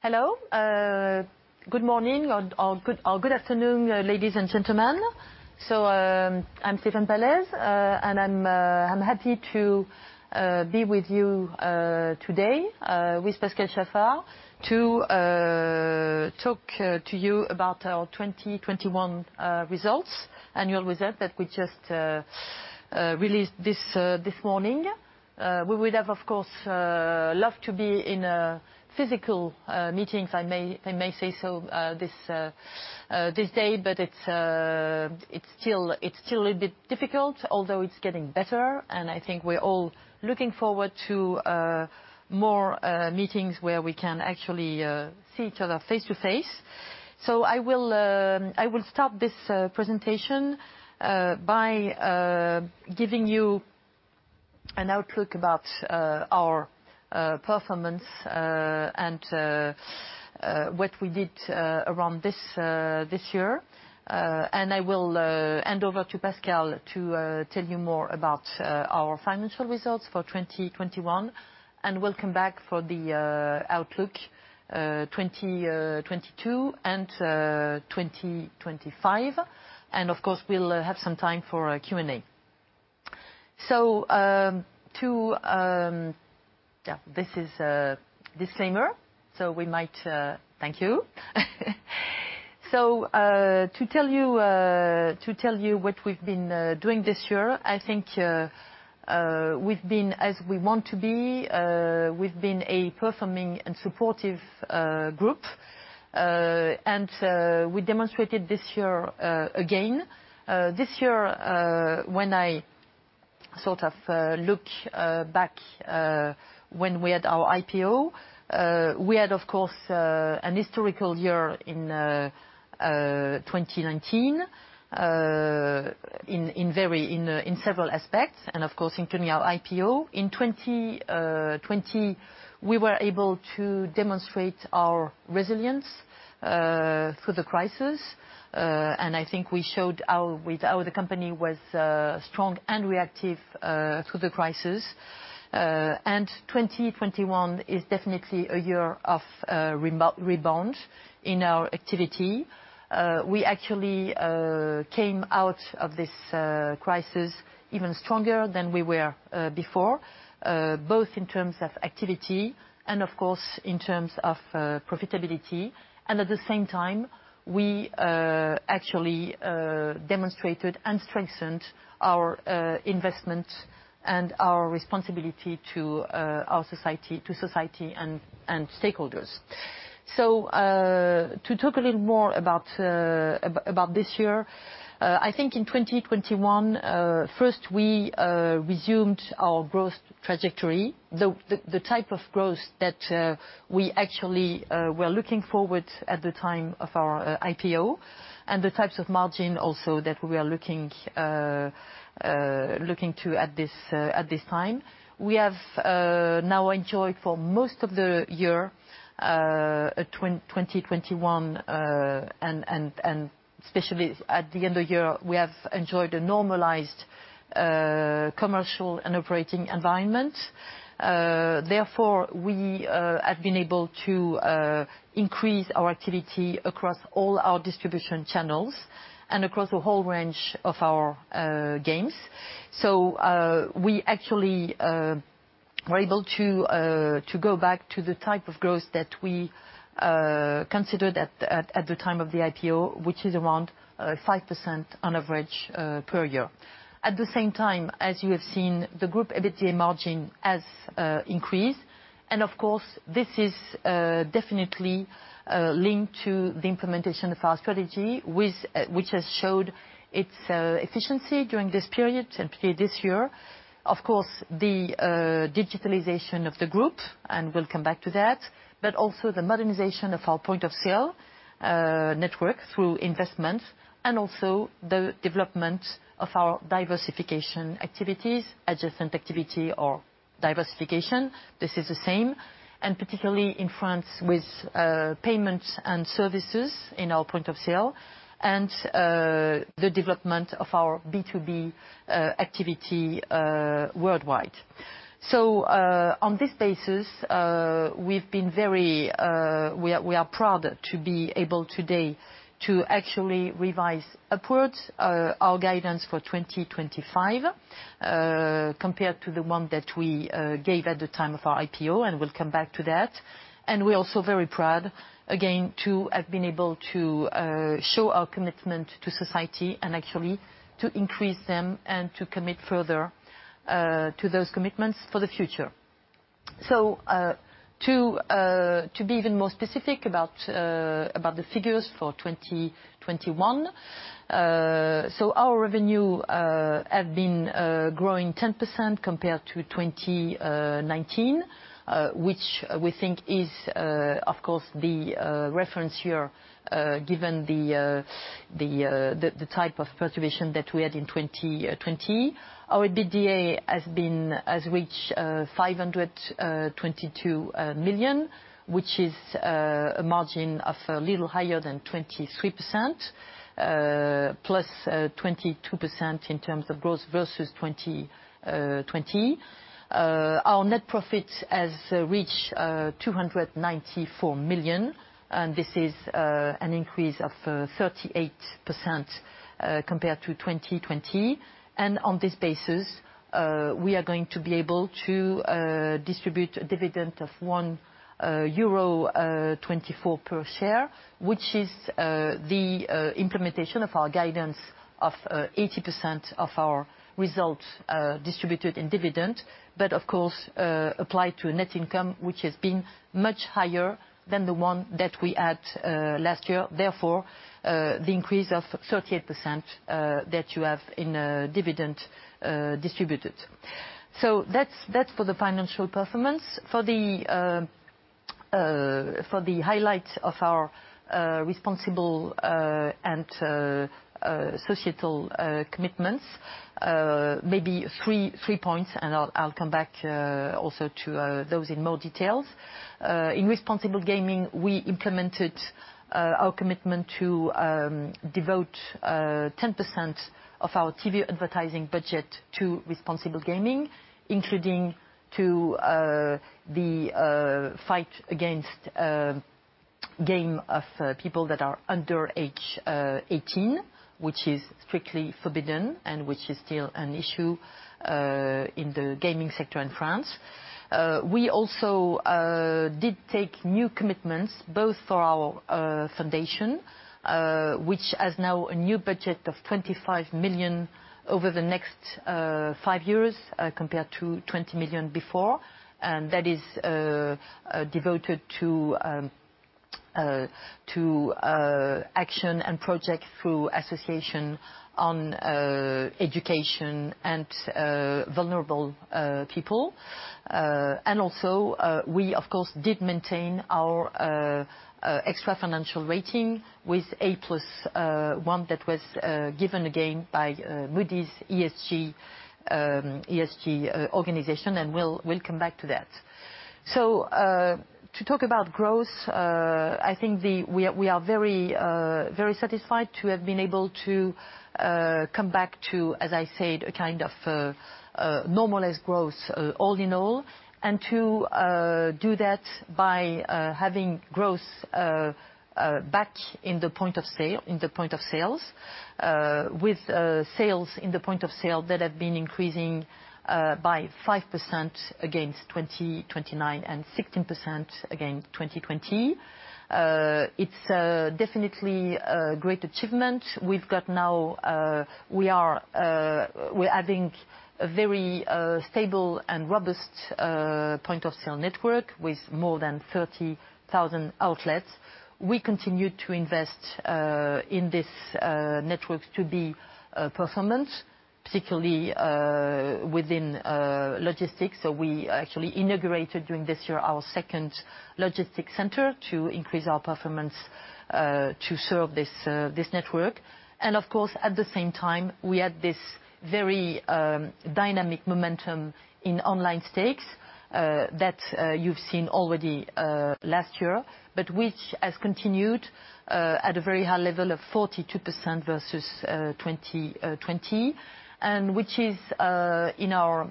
Hello. Good morning or good afternoon, ladies and gentlemen. I'm Stéphane Pallez, and I'm happy to be with you today with Pascal Chaffard to talk to you about our 2021 annual results that we just released this morning. We would have, of course, loved to be in physical meetings, I may say so, this day, but it's still a bit difficult although it's getting better, and I think we're all looking forward to more meetings where we can actually see each other face-to-face. I will start this presentation by giving you an outlook about our performance and what we did around this year. I will hand over to Pascal to tell you more about our financial results for 2021. We'll come back for the outlook 2022 and 2025. Of course, we'll have some time for a Q&A. So... Yeah, this is a disclaimer, so we might... Thank you. To tell you what we've been doing this year, I think we've been as we want to be, we've been a performing and supportive group. We demonstrated this year again. This year, when I sort of look back, when we had our IPO, we had, of course, an historical year in 2019 in several aspects and, of course, including our IPO. In 2020, we were able to demonstrate our resilience through the crisis. I think the company was strong and reactive through the crisis. 2021 is definitely a year of rebound in our activity. We actually came out of this crisis even stronger than we were before, both in terms of activity and of course in terms of profitability. At the same time, we actually demonstrated and strengthened our investment and our responsibility to our society, to society and stakeholders. To talk a little more about this year. I think in 2021, first, we resumed our growth trajectory. The type of growth that we actually were looking forward at the time of our IPO and the types of margin also that we are looking to at this time. We have now enjoyed for most of the year, 2021, and especially at the end of year, we have enjoyed a normalized commercial and operating environment. Therefore, we have been able to increase our activity across all our distribution channels and across a whole range of our games. We actually were able to go back to the type of growth that we considered at the time of the IPO, which is around 5% on average per year. At the same time, as you have seen, the group EBITDA margin has increased. This is definitely linked to the implementation of our strategy with which has showed its efficiency during this period and particularly this year. Of course, the digitalization of the group, and we'll come back to that, but also the modernization of our point of sale network through investments and also the development of our diversification activities, adjacent activity or diversification. This is the same, particularly in France with payments and services in our point of sale and the development of our B2B activity worldwide. On this basis, we are proud to be able today to actually revise upwards our guidance for 2025 compared to the one that we gave at the time of our IPO, and we'll come back to that. We're also very proud, again, to have been able to show our commitment to society and actually to increase them and to commit further to those commitments for the future. To be even more specific about the figures for 2021. Our revenue have been growing 10% compared to 2019, which we think is of course the reference year given the type of preservation that we had in 2020. Our EBITDA has reached 522 million, which is a margin of a little higher than 23%, plus 22% in terms of growth versus 2020. Our net profits has reached 294 million, and this is an increase of 38% compared to 2020. On this basis, we are going to be able to distribute a dividend of 1.24 euro per share, which is the implementation of our guidance of 80% of our results distributed in dividend, but of course, applied to a net income which has been much higher than the one that we had last year. Therefore, the 38% increase that you have in dividend distributed. That's for the financial performance. For the highlight of our responsible and societal commitments, three points and I'll come back also to those in more details. In responsible gaming, we implemented our commitment to devote 10% of our TV advertising budget to responsible gaming, including the fight against gaming by people that are under age 18, which is strictly forbidden and which is still an issue in the gaming sector in France. We also did take new commitments both for our Foundation, which has now a new budget of 25 million over the next five years, compared to 20 million before. That is devoted to actions and projects through associations on education and vulnerable people. We of course did maintain our extra-financial rating with A1+ that was given again by Moody's ESG Solutions, and we'll come back to that. To talk about growth, I think we are very satisfied to have been able to come back to, as I said, a kind of normalized growth all in all. To do that by having growth back in the point of sale, in the point of sales, with sales in the point of sale that have been increasing by 5% against 2019 and 16% against 2020. It's definitely a great achievement. We're adding a very stable and robust point of sale network with more than 30,000 outlets. We continue to invest in this network to be performant, particularly within logistics. We actually integrated during this year our second logistics center to increase our performance to serve this network. Of course, at the same time, we had this very dynamic momentum in online stakes that you've seen already last year, but which has continued at a very high level of 42% versus 2020, and which is in our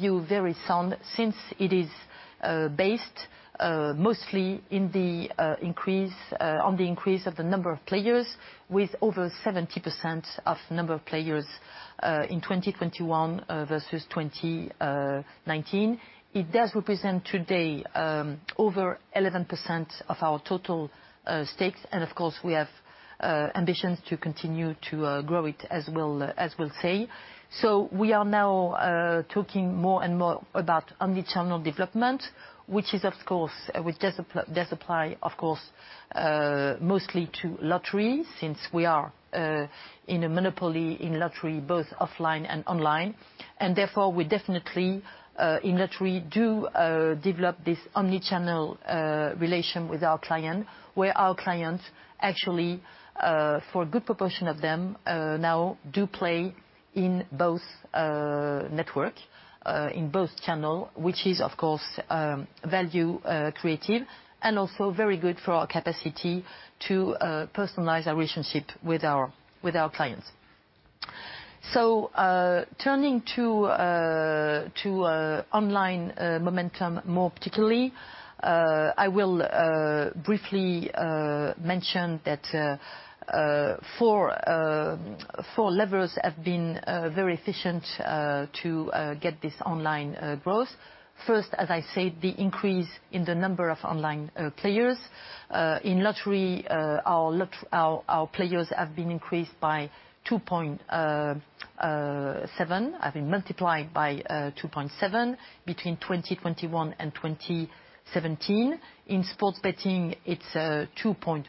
view very sound since it is based mostly on the over 70% increase in the number of players in 2021 versus 2019. It does represent today over 11% of our total stakes. Of course, we have ambitions to continue to grow it as we'll say. We are now talking more and more about omni-channel development, which is of course this applies, of course, mostly to lottery since we are in a monopoly in lottery, both offline and online. Therefore, we definitely in lottery do develop this omni-channel relation with our client, where our clients actually for a good proportion of them now do play in both network in both channel, which is of course value creating and also very good for our capacity to personalize our relationship with our clients. Turning to online momentum more particularly, I will briefly mention that four levers have been very efficient to get this online growth. First, as I said, the increase in the number of online players. In lottery, our players have been multiplied by 2.7 between 2021 and 2017. In sports betting, it's 2.4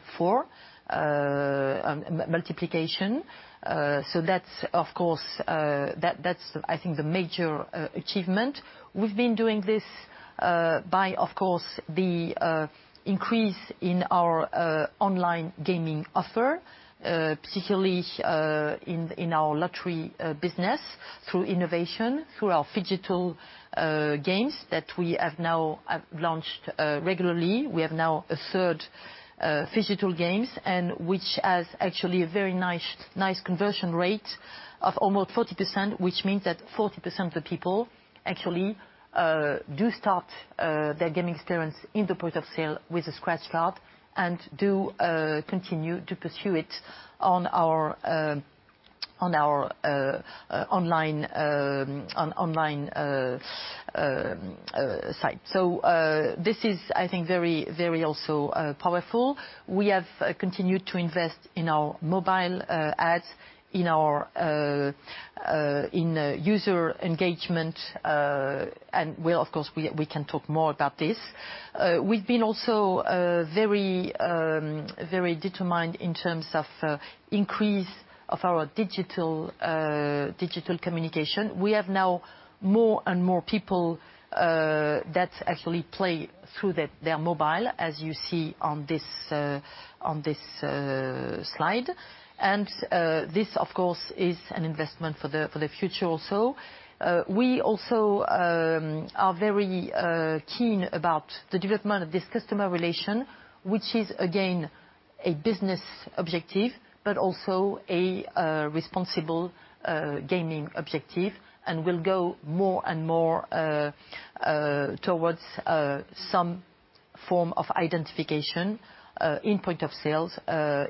multiplication. That's of course that's I think the major achievement. We've been doing this by of course the increase in our online gaming offer, particularly in our lottery business through innovation, through our phygital games that we have now launched regularly. We have now a third phygital games and which has actually a very nice conversion rate of almost 40%, which means that 40% of the people actually do start their gaming experience in the point of sale with a scratch card and do continue to pursue it on our online site. This is, I think, very also powerful. We have continued to invest in our mobile ads in user engagement. We'll of course we can talk more about this. We've been also very determined in terms of increase of our digital communication. We have now more and more people that actually play through their mobile, as you see on this slide. This of course is an investment for the future also. We also are very keen about the development of this customer relation, which is again a business objective, but also a responsible gaming objective, and we'll go more and more towards some form of identification in point of sales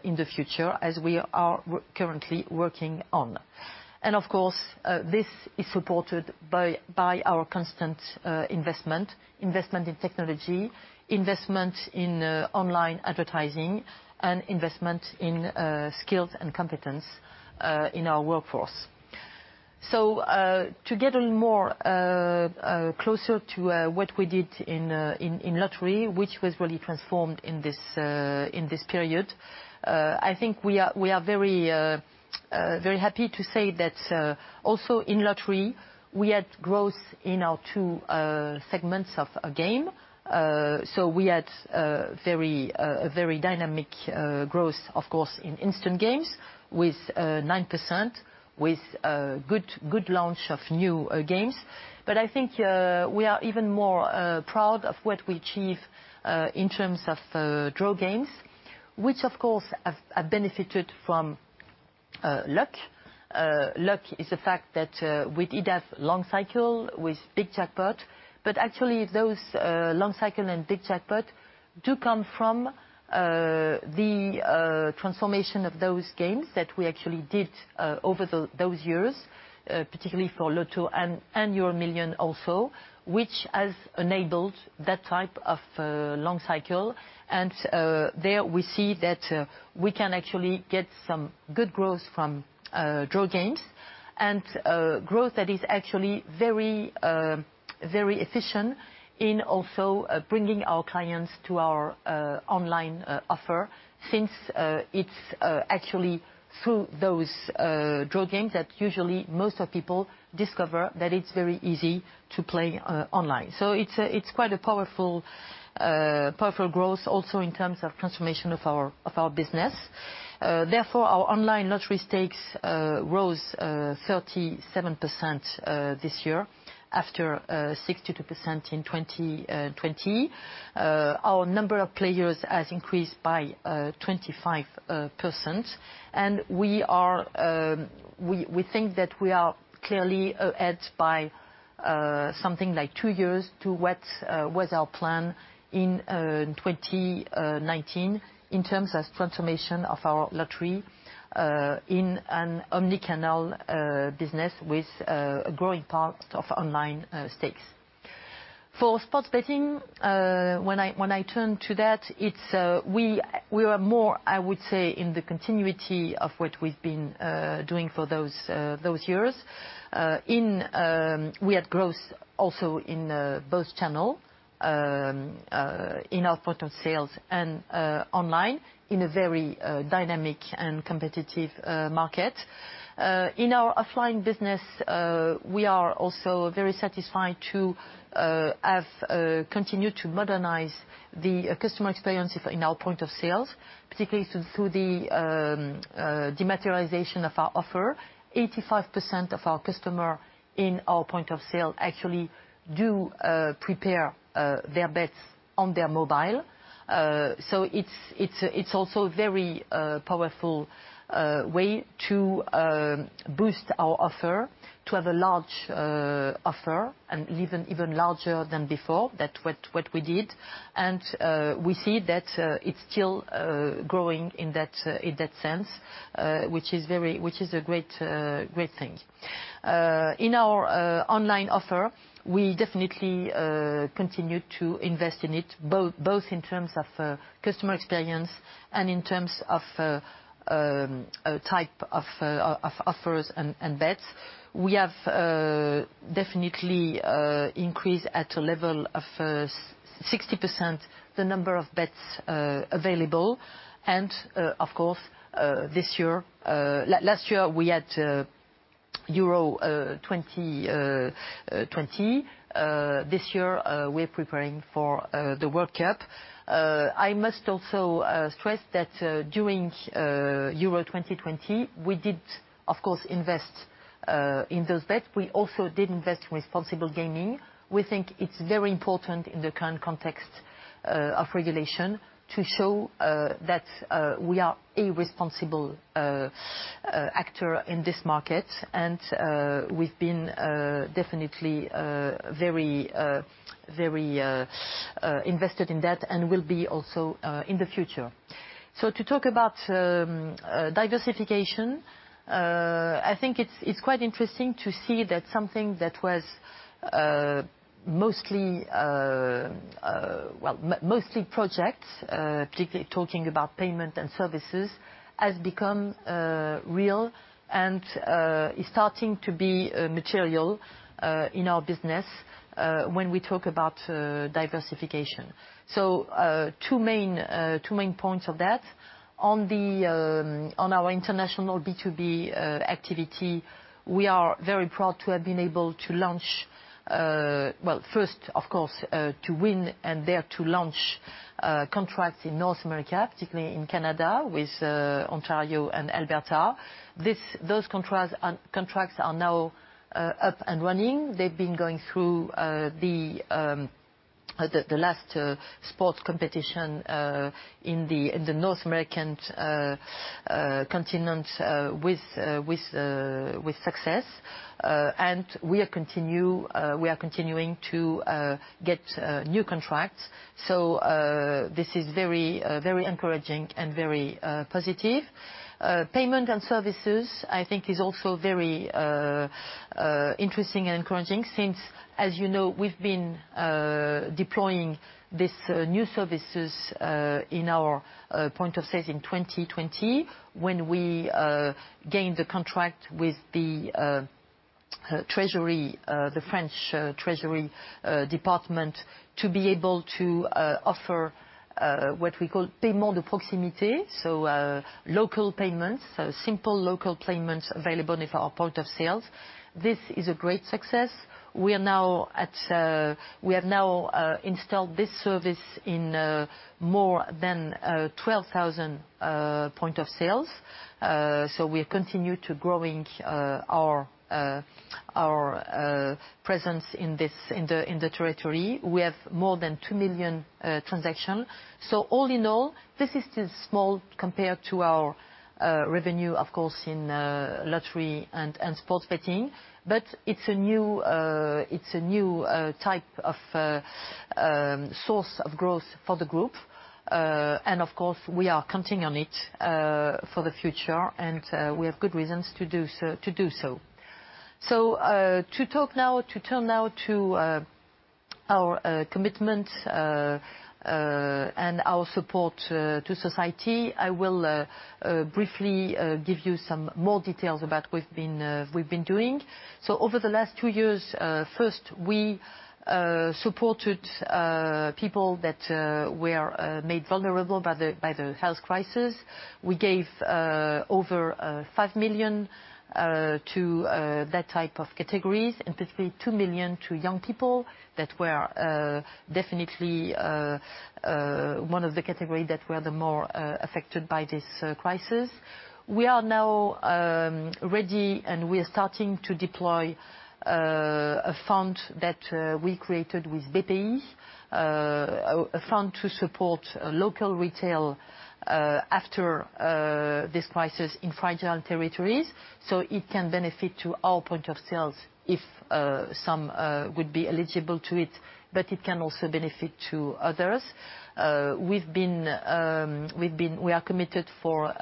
in the future as we are currently working on. Of course this is supported by our constant investment in technology, investment in online advertising and investment in skills and competence in our workforce. To get a little more closer to what we did in lottery, which was really transformed in this period. I think we are very happy to say that also in lottery, we had growth in our two segments of game. We had a very dynamic growth, of course, in instant games with 9%, with good launch of new games. I think we are even more proud of what we achieve in terms of draw games, which of course have benefited from luck. Luck is the fact that it has long cycle with big jackpot. Actually, those long cycle and big jackpot do come from the transformation of those games that we actually did over those years, particularly for Loto and EuroMillions also, which has enabled that type of long cycle. There we see that we can actually get some good growth from draw games and growth that is actually very efficient in also bringing our clients to our online offer since it's actually through those draw games that usually most of people discover that it's very easy to play online. It's quite a powerful growth also in terms of transformation of our business. Therefore, our online lottery stakes rose 37% this year after 62% in 2020. Our number of players has increased by 25%. We think that we are clearly ahead by something like two years to what was our plan in 2019 in terms of transformation of our lottery in an omnichannel business with a growing part of online stakes. For sports betting, when I turn to that, it's. We are more, I would say in the continuity of what we've been doing for those years. We had growth also in both channels in our points of sale and online in a very dynamic and competitive market. In our offline business, we are also very satisfied to have continued to modernize the customer experience in our points of sale, particularly through the dematerialization of our offer. 85% of our customers in our point of sale actually do prepare their bets on their mobile. So it's also very powerful way to boost our offer, to have a large offer and even larger than what we did before. We see that it's still growing in that sense, which is a great thing. In our online offer, we definitely continue to invest in it, both in terms of customer experience and in terms of type of offers and bets. We have definitely increased at a level of 60% the number of bets available. Of course, last year, we had Euro 2020. This year, we're preparing for the World Cup. I must also stress that during Euro 2020, we did, of course, invest in those bets. We also did invest in responsible gaming. We think it's very important in the current context of regulation to show that we are a responsible actor in this market. We've been definitely very invested in that and will be also in the future. To talk about diversification, I think it's quite interesting to see that something that was mostly projects, well, particularly talking about payment and services, has become real and is starting to be material in our business when we talk about diversification. Two main points of that. On our international B2B activity, we are very proud to have been able to launch, well, first, of course, to win and then to launch contracts in North America, particularly in Canada with Ontario and Alberta. Those contracts are now up and running. They've been going through the last sports competition in the North American continent with success. We are continuing to get new contracts, so this is very encouraging and very positive. Payments and services, I think, is also very interesting and encouraging since, as you know, we've been deploying this new services in our point of sales in 2020 when we gained the contract with the French Treasury department to be able to offer what we call paiement de proximité. Local payments. Simple local payments available in our point of sales. This is a great success. We have now installed this service in more than 12,000 points of sale. We continue to grow our presence in the territory. We have more than 2 million transactions. All in all, this is still small compared to our revenue, of course, in lottery and sports betting. It's a new type of source of growth for the group. Of course, we are counting on it for the future, and we have good reasons to do so. To turn now to our commitment and our support to society, I will briefly give you some more details about what we've been doing. Over the last two years, first, we supported people that were made vulnerable by the health crisis. We gave over 5 million to that type of categories, and particularly 2 million to young people that were definitely one of the category that were the more affected by this crisis. We are now ready and we are starting to deploy a fund that we created with Bpifrance, a fund to support local retail after this crisis in fragile territories, so it can benefit to our point of sales if some would be eligible to it, but it can also benefit to others. We are committed for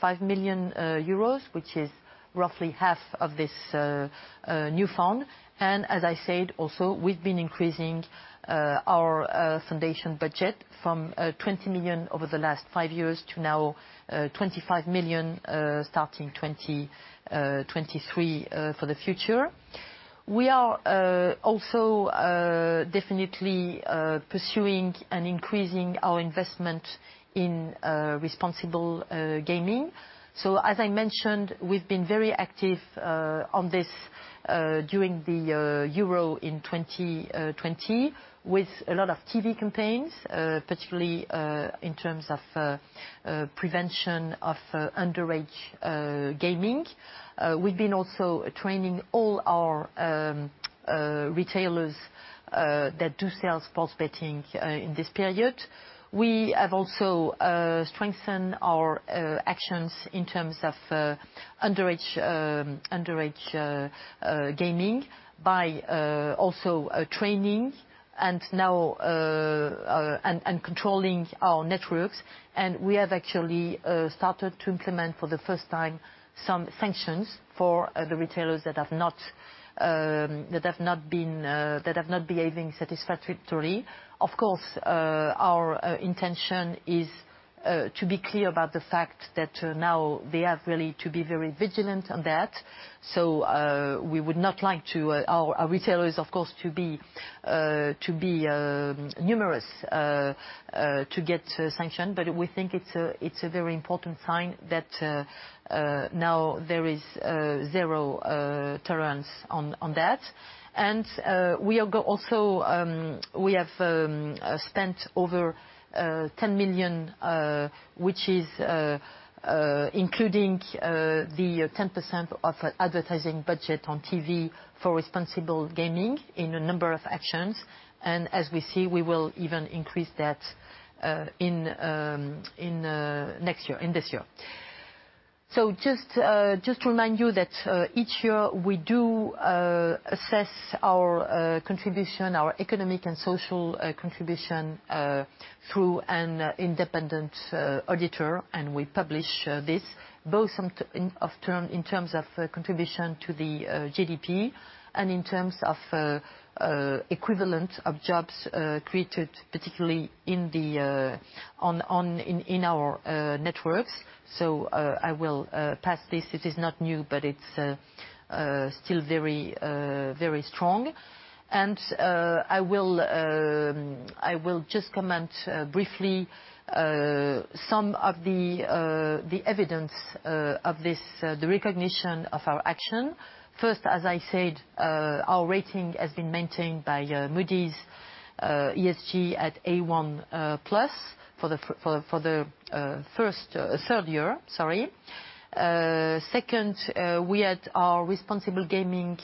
5 million euros, which is roughly half of this new fund. As I said, also, we've been increasing our foundation budget from 20 million over the last five years to now 25 million starting 2023 for the future. We are also definitely pursuing and increasing our investment in responsible gaming. As I mentioned, we've been very active on this during the Euro 2020 with a lot of TV campaigns, particularly in terms of prevention of underage gaming. We've also been training all our retailers that sell sports betting in this period. We have also strengthened our actions in terms of underage gaming by also training and controlling our networks. We have actually started to implement for the first time some sanctions for the retailers that have not been behaving satisfactorily. Of course, our intention is to be clear about the fact that now they have really to be very vigilant on that. We would not like our retailers of course to be numerous to get sanctioned. We think it's a very important sign that now there is zero tolerance on that. Also, we have spent over 10 million, which is including the 10% of advertising budget on TV for responsible gaming in a number of actions. As we see, we will even increase that in next year, in this year. Just to remind you that each year we assess our contribution, our economic and social contribution, through an independent auditor and we publish this both in terms of contribution to the GDP and in terms of equivalent of jobs created particularly in our networks. I will pass this. It is not new, but it's still very strong. I will just comment briefly some of the evidence of this, the recognition of our action. First, as I said, our rating has been maintained by Moody's ESG at A1+, for the third year, sorry. Second, we had our responsible gaming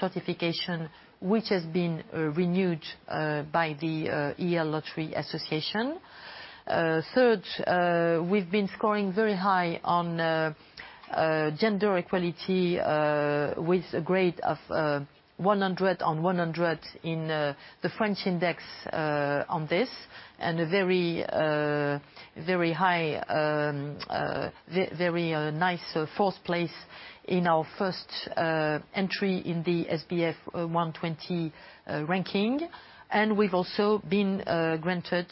certification, which has been renewed by the European Lotteries Association. Third, we've been scoring very high on gender equality, with a grade of 100 on 100 in the French index on this and a very high, very nice fourth place in our first entry in the SBF 120 ranking. We've also been granted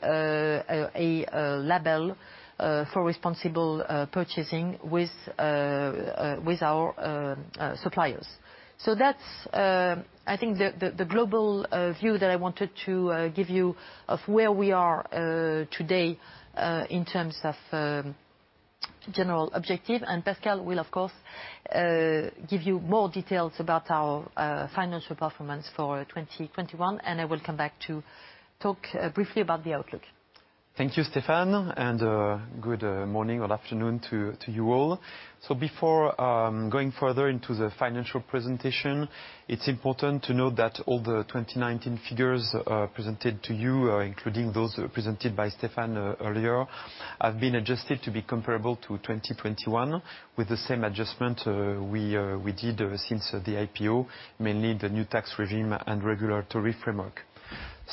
a label for responsible purchasing with our suppliers. That's, I think, the global view that I wanted to give you of where we are today in terms of general objective. Pascal will of course give you more details about our financial performance for 2021, and I will come back to talk briefly about the outlook. Thank you, Stéphane, and good morning or afternoon to you all. Before going further into the financial presentation, it's important to note that all the 2019 figures presented to you, including those presented by Stéphane earlier, have been adjusted to be comparable to 2021 with the same adjustment we did since the IPO, mainly the new tax regime and regulatory framework.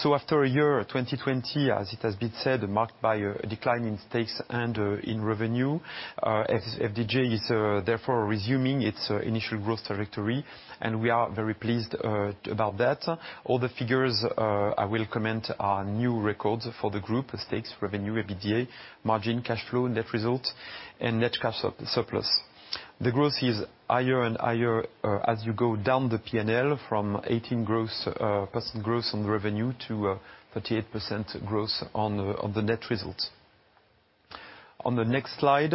After a year, 2020, as it has been said, marked by a decline in stakes and in revenue, FDJ is therefore resuming its initial growth trajectory, and we are very pleased about that. All the figures I will comment on new records for the group: stakes, revenue, EBITDA, margin, cash flow, net results, and net cash surplus. The growth is higher and higher as you go down the P&L from 18% growth on revenue to 38% growth on the net results. On the next slide,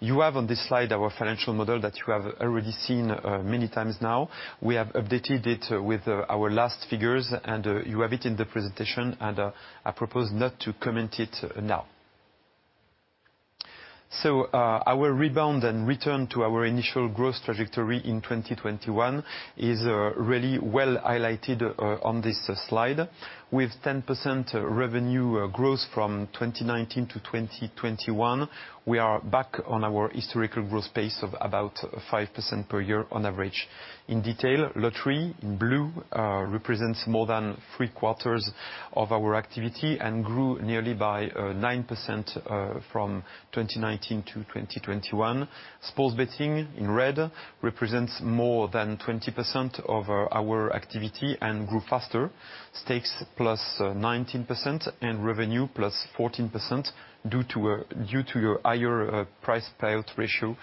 you have on this slide our financial model that you have already seen many times now. We have updated it with our last figures, and you have it in the presentation, and I propose not to comment it now. Our rebound and return to our initial growth trajectory in 2021 is really well highlighted on this slide. With 10% revenue growth from 2019 to 2021, we are back on our historical growth pace of about 5% per year on average. In detail, lottery in blue represents more than three-quarters of our activity and grew nearly by 9% from 2019 to 2021. Sports betting in red represents more than 20% of our activity and grew faster, stakes +19% and revenue +14% due to a higher prize payout ratio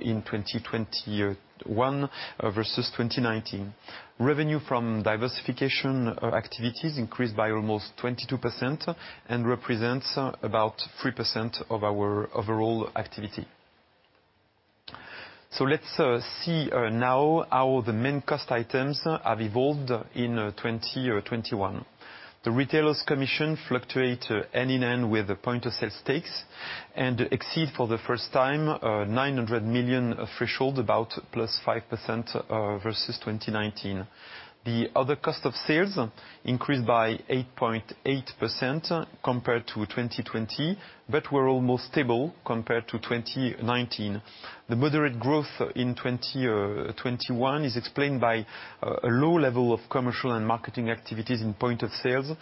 in 2021 versus 2019. Revenue from diversification activities increased by almost 22% and represents about 3% of our overall activity. Let's see now how the main cost items have evolved in 2021. The retailers' commission fluctuates with the point of sale stakes and exceeded for the first time 900 million threshold, about +5% versus 2019. The other cost of sales increased by 8.8% compared to 2020, but were almost stable compared to 2019. The moderate growth in 2021 is explained by a low level of commercial and marketing activities in points of sale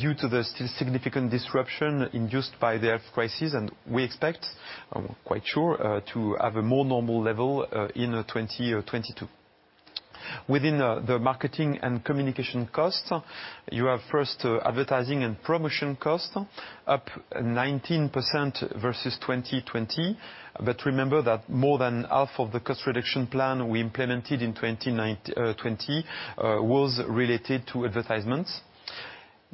due to the still significant disruption induced by the health crisis. We expect, I'm quite sure, to have a more normal level in 2022. Within the marketing and communication costs, you have first advertising and promotion costs up 19% versus 2020. Remember that more than half of the cost reduction plan we implemented in 2019-2020 was related to advertisements.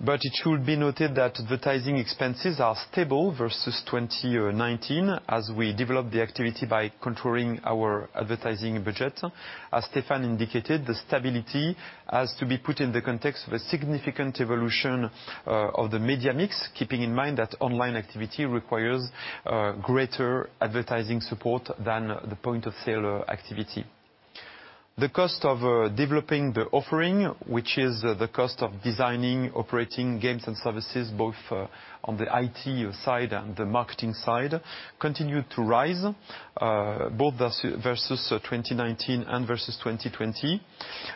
It should be noted that advertising expenses are stable versus 2019 as we develop the activity by controlling our advertising budget. As Stéphane indicated, the stability has to be put in the context of a significant evolution of the media mix, keeping in mind that online activity requires greater advertising support than the point of sale activity. The cost of developing the offering, which is the cost of designing, operating games and services, both on the IT side and the marketing side, continued to rise both versus 2019 and versus 2020.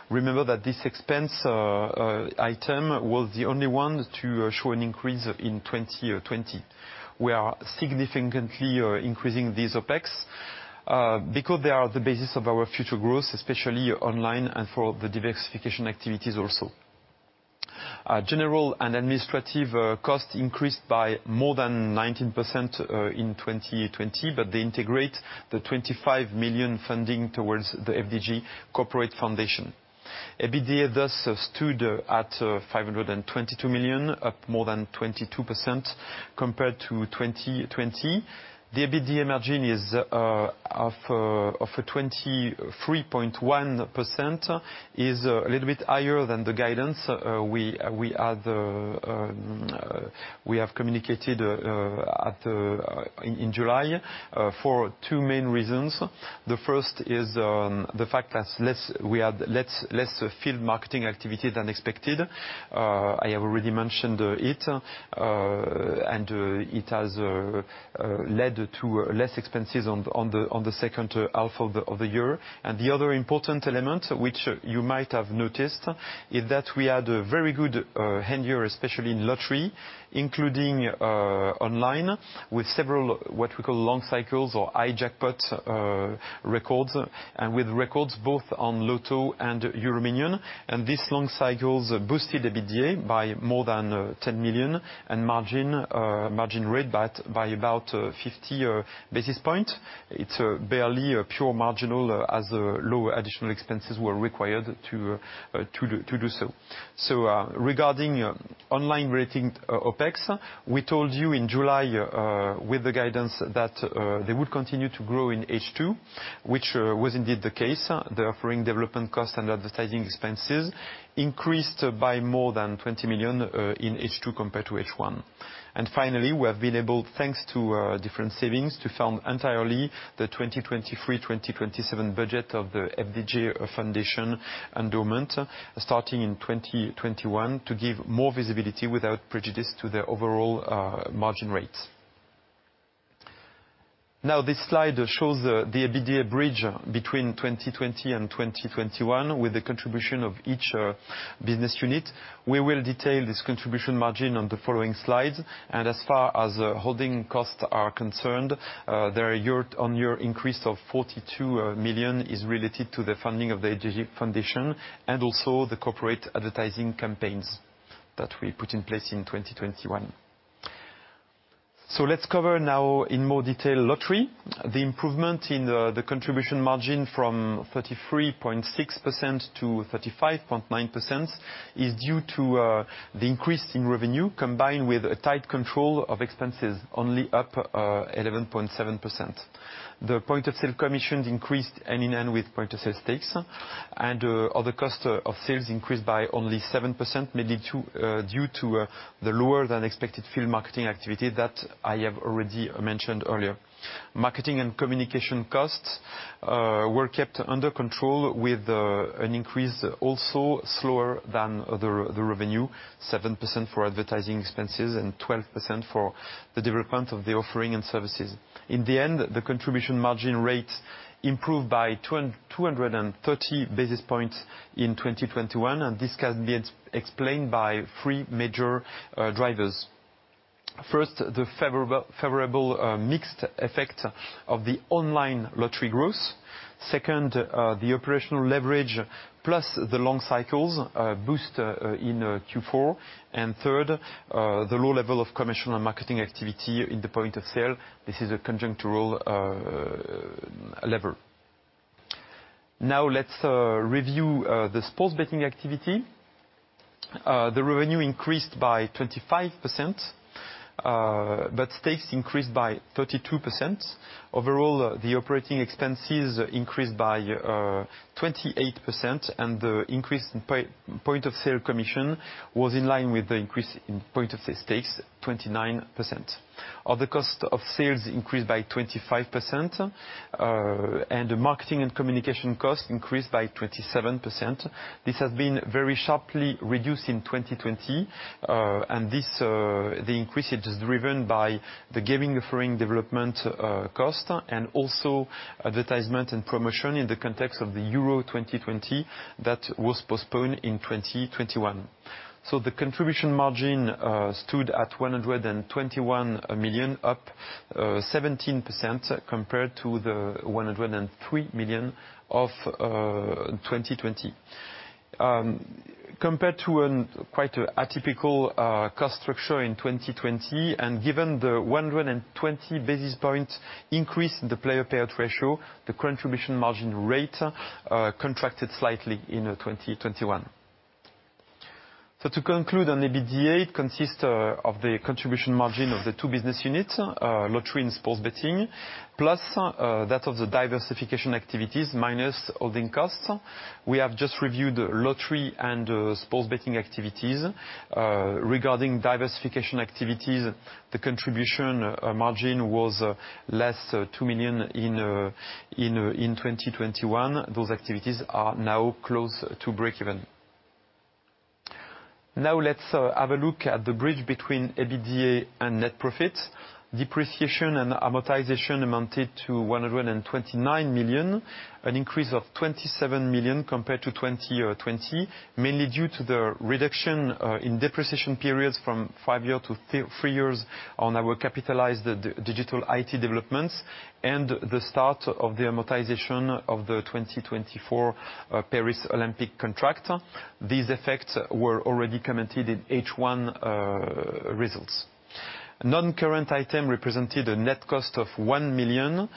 Remember that this expense item was the only one to show an increase in 2020. We are significantly increasing these OpEx because they are the basis of our future growth, especially online and for the diversification activities also. General and administrative costs increased by more than 19% in 2020, but they integrate the 25 million funding towards the FDJ Corporate Foundation. EBITDA thus stood at 522 million, up more than 22% compared to 2020. The EBITDA margin is of 23.1% is a little bit higher than the guidance we have communicated in July for two main reasons. The first is the fact that we had less field marketing activity than expected. I have already mentioned it, and it has led to less expenses on the H2 of the year. The other important element, which you might have noticed, is that we had a very good H2, especially in lottery, including online, with several what we call long cycles or high jackpot records, and with records both on Loto and EuroMillions. These long cycles boosted EBITDA by more than 10 million and margin rate by about 50 basis points. It's barely purely marginal as low additional expenses were required to do so. Regarding online-related OpEx, we told you in July with the guidance that they would continue to grow in H2, which was indeed the case. The offering development costs and advertising expenses increased by more than 20 million in H2 compared to H1. Finally, we have been able, thanks to different savings, to fund entirely the 2023/2027 budget of the FDJ Foundation endowment starting in 2021 to give more visibility without prejudice to the overall margin rates. Now this slide shows the EBITDA bridge between 2020 and 2021 with the contribution of each business unit. We will detail this contribution margin on the following slides. As far as holding costs are concerned, their year-on-year increase of 42 million is related to the funding of the FDJ Foundation and also the corporate advertising campaigns that we put in place in 2021. Let's cover now in more detail Lottery. The improvement in the contribution margin from 33.6% to 35.9% is due to the increase in revenue combined with a tight control of expenses only up 11.7%. The point of sale commissions increased hand-in-hand with point of sale stakes and other cost of sales increased by only 7%, mainly due to the lower than expected field marketing activity that I have already mentioned earlier. Marketing and communication costs were kept under control with an increase also slower than the revenue, 7% for advertising expenses and 12% for the development of the offering and services. In the end, the contribution margin rate improved by 230 basis points in 2021, and this can be explained by three major drivers. First, the favorable mixed effect of the online lottery growth. Second, the operational leverage plus the long cycles boost in Q4. Third, the low level of commission on marketing activity in the point of sale. This is a conjunctural lever. Now let's review the sports betting activity. The revenue increased by 25%, but stakes increased by 32%. Overall, the operating expenses increased by 28%, and the increase in point of sale commission was in line with the increase in point of sale stakes, 29%. Other cost of sales increased by 25%, and the marketing and communication costs increased by 27%. This has been very sharply reduced in 2020, and this, the increase is driven by the gaming offering development, cost and also advertisement and promotion in the context of the Euro 2020 that was postponed in 2021. The contribution margin stood at 121 million, up 17% compared to the 103 million of 2020. Compared to a quite atypical cost structure in 2020, and given the 120 basis points increase in the player payout ratio, the contribution margin rate contracted slightly in 2021. To conclude on EBITDA, it consists of the contribution margin of the two business units, lottery and sports betting, plus that of the diversification activities minus holding costs. We have just reviewed lottery and sports betting activities. Regarding diversification activities, the contribution margin was -2 million in 2021. Those activities are now close to breakeven. Now let's have a look at the bridge between EBITDA and net profits. Depreciation and amortization amounted to 129 million, an increase of 27 million compared to 2020, mainly due to the reduction in depreciation periods from five years to three years on our capitalized digital IT developments and the start of the amortization of the 2024 Paris Olympics contract. These effects were already commented in H1 results. Non-current item represented a net cost of 1 million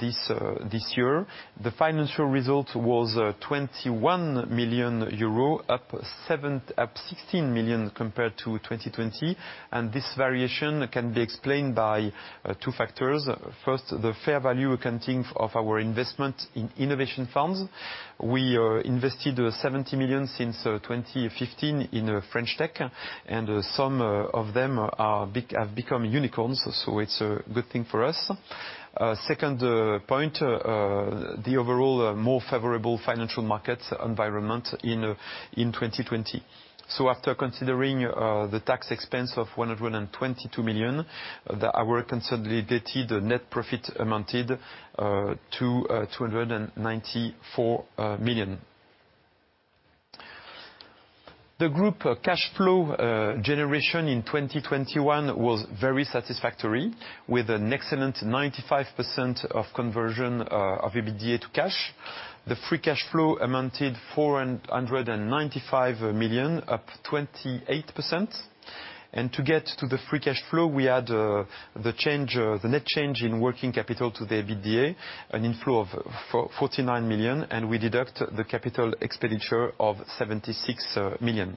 this year. The financial result was 21 million euro, up 16 million compared to 2020. This variation can be explained by two factors. First, the fair value accounting of our investment in innovation funds. We invested 70 million since 2015 in French Tech, and some of them have become unicorns, so it's a good thing for us. Second point, the overall more favorable financial market environment in 2020. After considering the tax expense of 122 million, our consolidated net profit amounted to 294 million. The group cash flow generation in 2021 was very satisfactory, with an excellent 95% conversion of EBITDA to cash. The free cash flow amounted 495 million, up 28%. To get to the free cash flow, we add the net change in working capital to the EBITDA, an inflow of 49 million, and we deduct the capital expenditure of 76 million.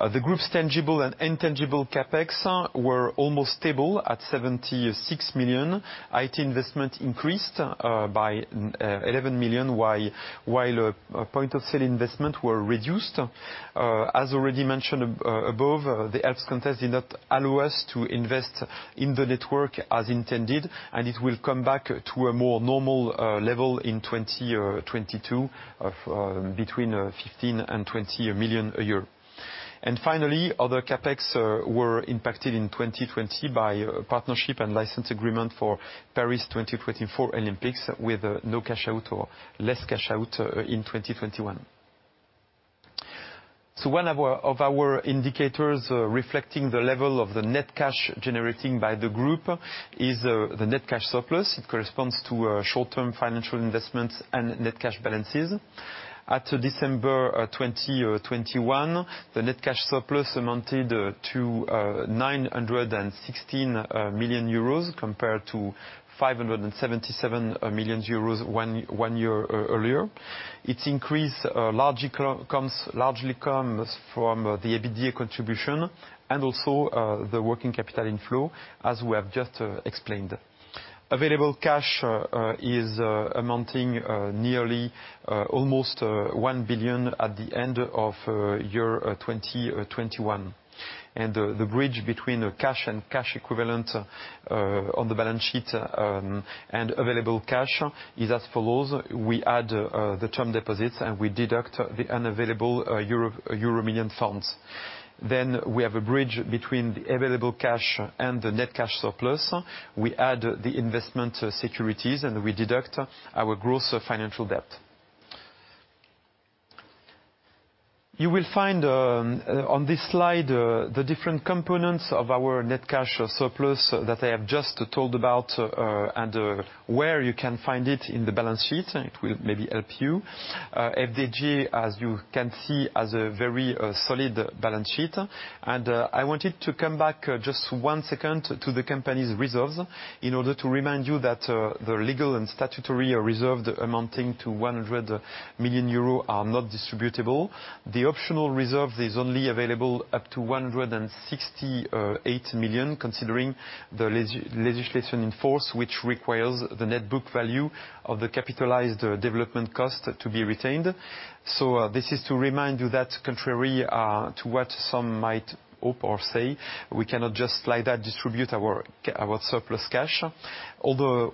The group's tangible and intangible CapEx were almost stable at 76 million. IT investment increased by 11 million, while point of sale investment were reduced. As already mentioned above, the ALPS context did not allow us to invest in the network as intended, and it will come back to a more normal level in 2022 of between 15 million and 20 million a year. Finally, other CapEx were impacted in 2020 by partnership and license agreement for Paris 2024 Olympics with no cash out or less cash out in 2021. One of our indicators reflecting the level of the net cash generating by the group is the net cash surplus. It corresponds to short-term financial investments and net cash balances. At December 2021, the net cash surplus amounted to 916 million euros compared to 577 million euros one year earlier. Its increase largely comes from the EBITDA contribution and also the working capital inflow, as we have just explained. Available cash is amounting nearly almost 1 billion at the end of year 2021. The bridge between the cash and cash equivalent on the balance sheet and available cash is as follows. We add the term deposits, and we deduct the unavailable EuroMillions funds. We have a bridge between the available cash and the net cash surplus. We add the investment securities, and we deduct our gross financial debt. You will find on this slide the different components of our net cash surplus that I have just told about and where you can find it in the balance sheet. It will maybe help you. FDJ, as you can see, has a very solid balance sheet. I wanted to come back just one second to the company's reserves in order to remind you that the legal and statutory reserve amounting to 100 million euro are not distributable. The optional reserve is only available up to 168 million, considering the legislation in force, which requires the net book value of the capitalized development cost to be retained. This is to remind you that contrary to what some might hope or say, we cannot just like that distribute our surplus cash. Although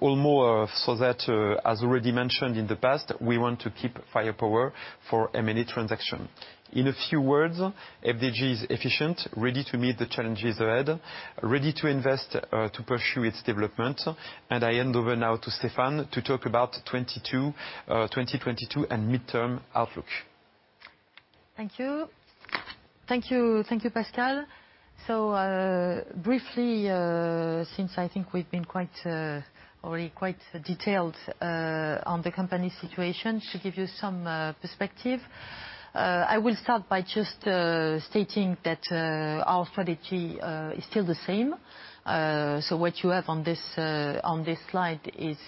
as already mentioned in the past, we want to keep firepower for M&A transaction. In a few words, FDJ is efficient, ready to meet the challenges ahead, ready to invest, to pursue its development. I hand over now to Stéphane to talk about 2022 and midterm outlook. Thank you, Pascal. Briefly, since I think we've been quite already quite detailed on the company's situation, to give you some perspective, I will start by just stating that our strategy is still the same. What you have on this slide is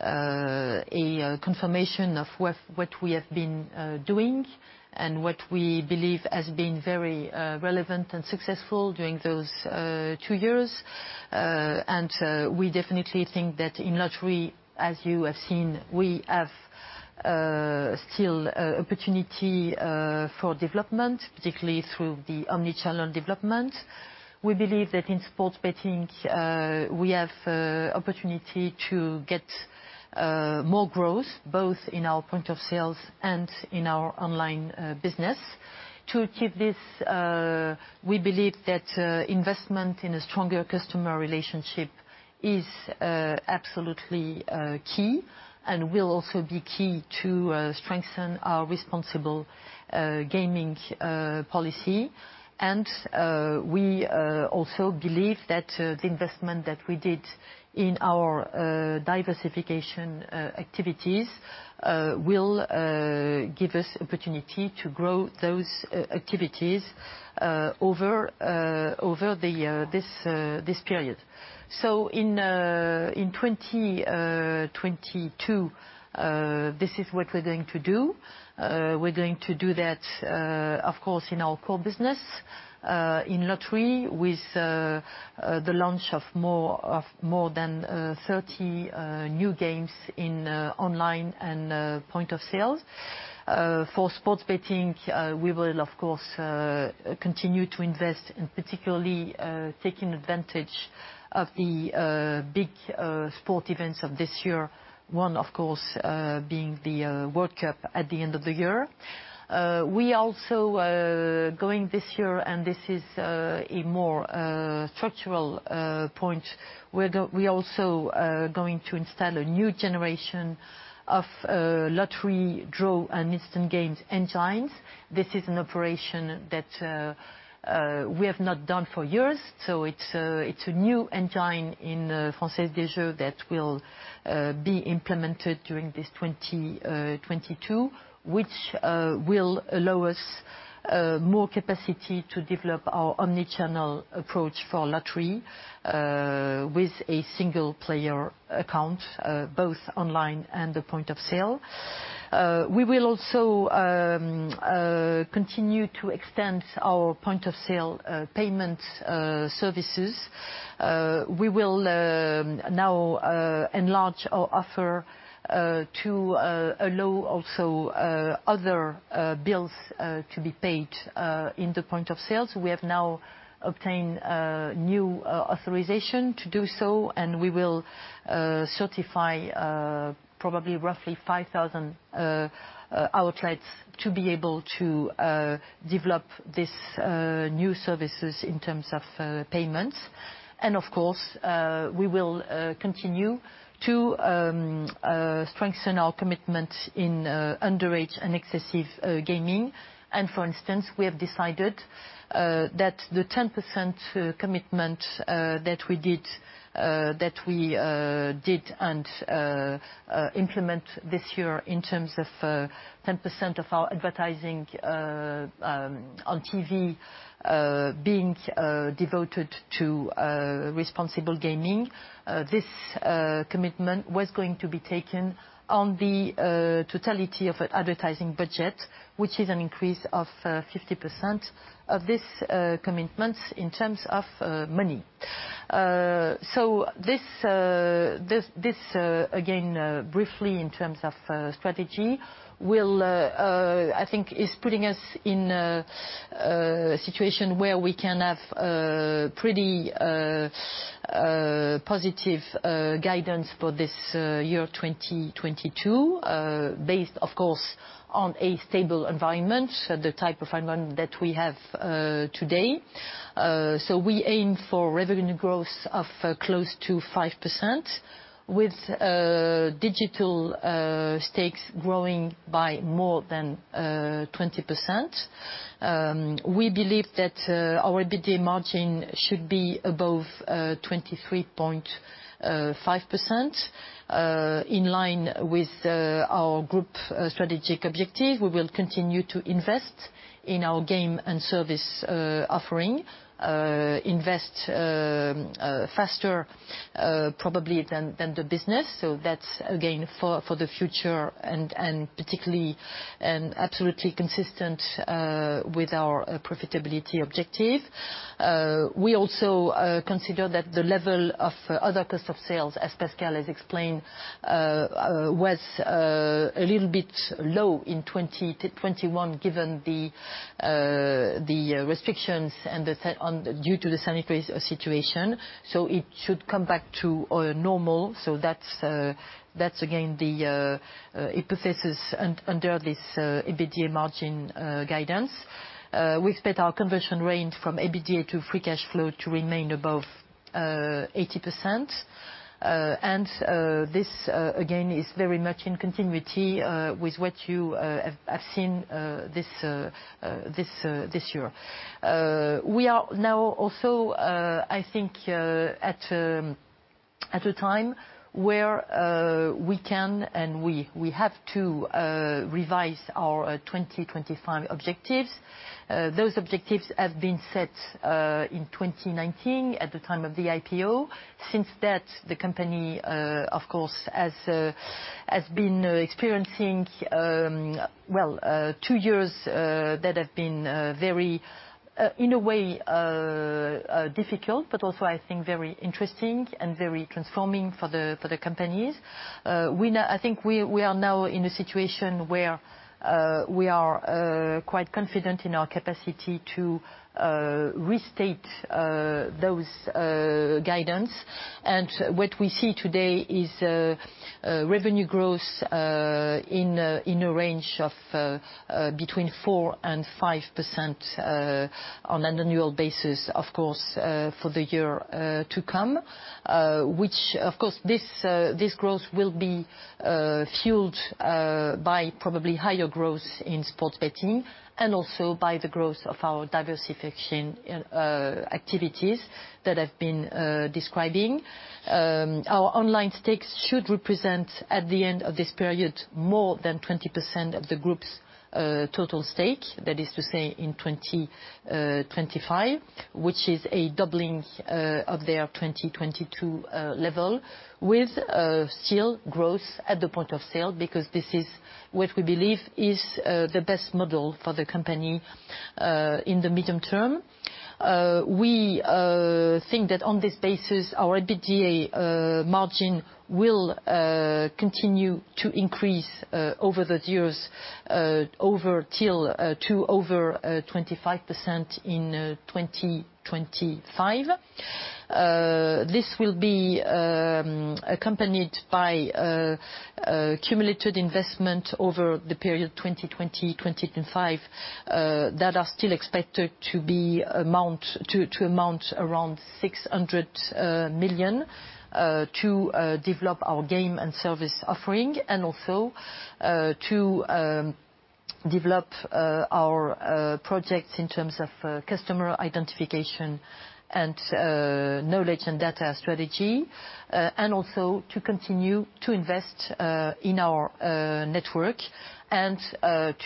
a confirmation of what we have been doing and what we believe has been very relevant and successful during those two years. We definitely think that in lottery, as you have seen, we have still opportunity for development, particularly through the omnichannel development. We believe that in sports betting, we have opportunity to get more growth both in our points of sale and in our online business. To achieve this, we believe that investment in a stronger customer relationship is absolutely key and will also be key to strengthen our responsible gaming policy. We also believe that the investment that we did in our diversification activities will give us opportunity to grow those activities over this period. In 2022, this is what we're going to do. We're going to do that, of course in our core business, in lottery with the launch of more than 30 new games in online and point of sales. For sports betting, we will of course continue to invest, particularly taking advantage of the big sport events of this year. One, of course, being the World Cup at the end of the year. We also are going this year, and this is a more structural point where we're also going to install a new generation of lottery draw and instant games engines. This is an operation that we have not done for years. It's a new engine in Française des Jeux that will be implemented during this 2022, which will allow us more capacity to develop our omnichannel approach for lottery with a single player account both online and the point of sale. We will also continue to extend our point of sale payment services. We will now enlarge our offer to allow also other bills to be paid in the point of sales. We have now obtained new authorization to do so, and we will certify probably roughly 5,000 outlets to be able to develop this new services in terms of payments. Of course, we will continue to strengthen our commitment in underage and excessive gaming. For instance, we have decided that the 10% commitment that we did and implement this year in terms of 10% of our advertising on TV being devoted to responsible gaming. This commitment was going to be taken on the totality of advertising budget, which is an increase of 50% of this commitment in terms of money. This again, briefly in terms of strategy will, I think, is putting us in a situation where we can have pretty positive guidance for this year 2022, based of course on a stable environment, the type of environment that we have today. We aim for revenue growth of close to 5% with digital stakes growing by more than 20%. We believe that our EBITDA margin should be above 23.5%, in line with our group strategic objective. We will continue to invest in our game and service offering faster probably than the business. That's again for the future and particularly and absolutely consistent with our profitability objective. We also consider that the level of other cost of sales, as Pascal has explained, was a little bit low in 2021 given the restrictions and due to the same situation. It should come back to normal. That's again the hypothesis under this EBITDA margin guidance. We expect our conversion range from EBITDA to free cashflow to remain above 80%. This again is very much in continuity with what you have seen this year. We are now also, I think, at a time where we can and we have to revise our 2025 objectives. Those objectives have been set in 2019 at the time of the IPO. Since that, the company of course has been experiencing well two years that have been very in a way difficult, but also I think very interesting and very transforming for the companies. I think we are now in a situation where we are quite confident in our capacity to restate those guidance. What we see today is a revenue growth in a range of between 4% and 5% on an annual basis, of course, for the year to come. This growth will be fueled by probably higher growth in sports betting and also by the growth of our diversification activities that I've been describing. Our online stakes should represent at the end of this period more than 20% of the group's total stake. That is to say in 2025, which is a doubling of their 2022 level with still growth at the point of sale because this is what we believe is the best model for the company in the medium term. We think that on this basis, our EBITDA margin will continue to increase over the years to over 25% in 2025. This will be accompanied by a cumulative investment over the period 2020-2025 that is still expected to amount to around 600 million to develop our game and service offering and also to develop our projects in terms of customer identification and knowledge and data strategy. To continue to invest in our network and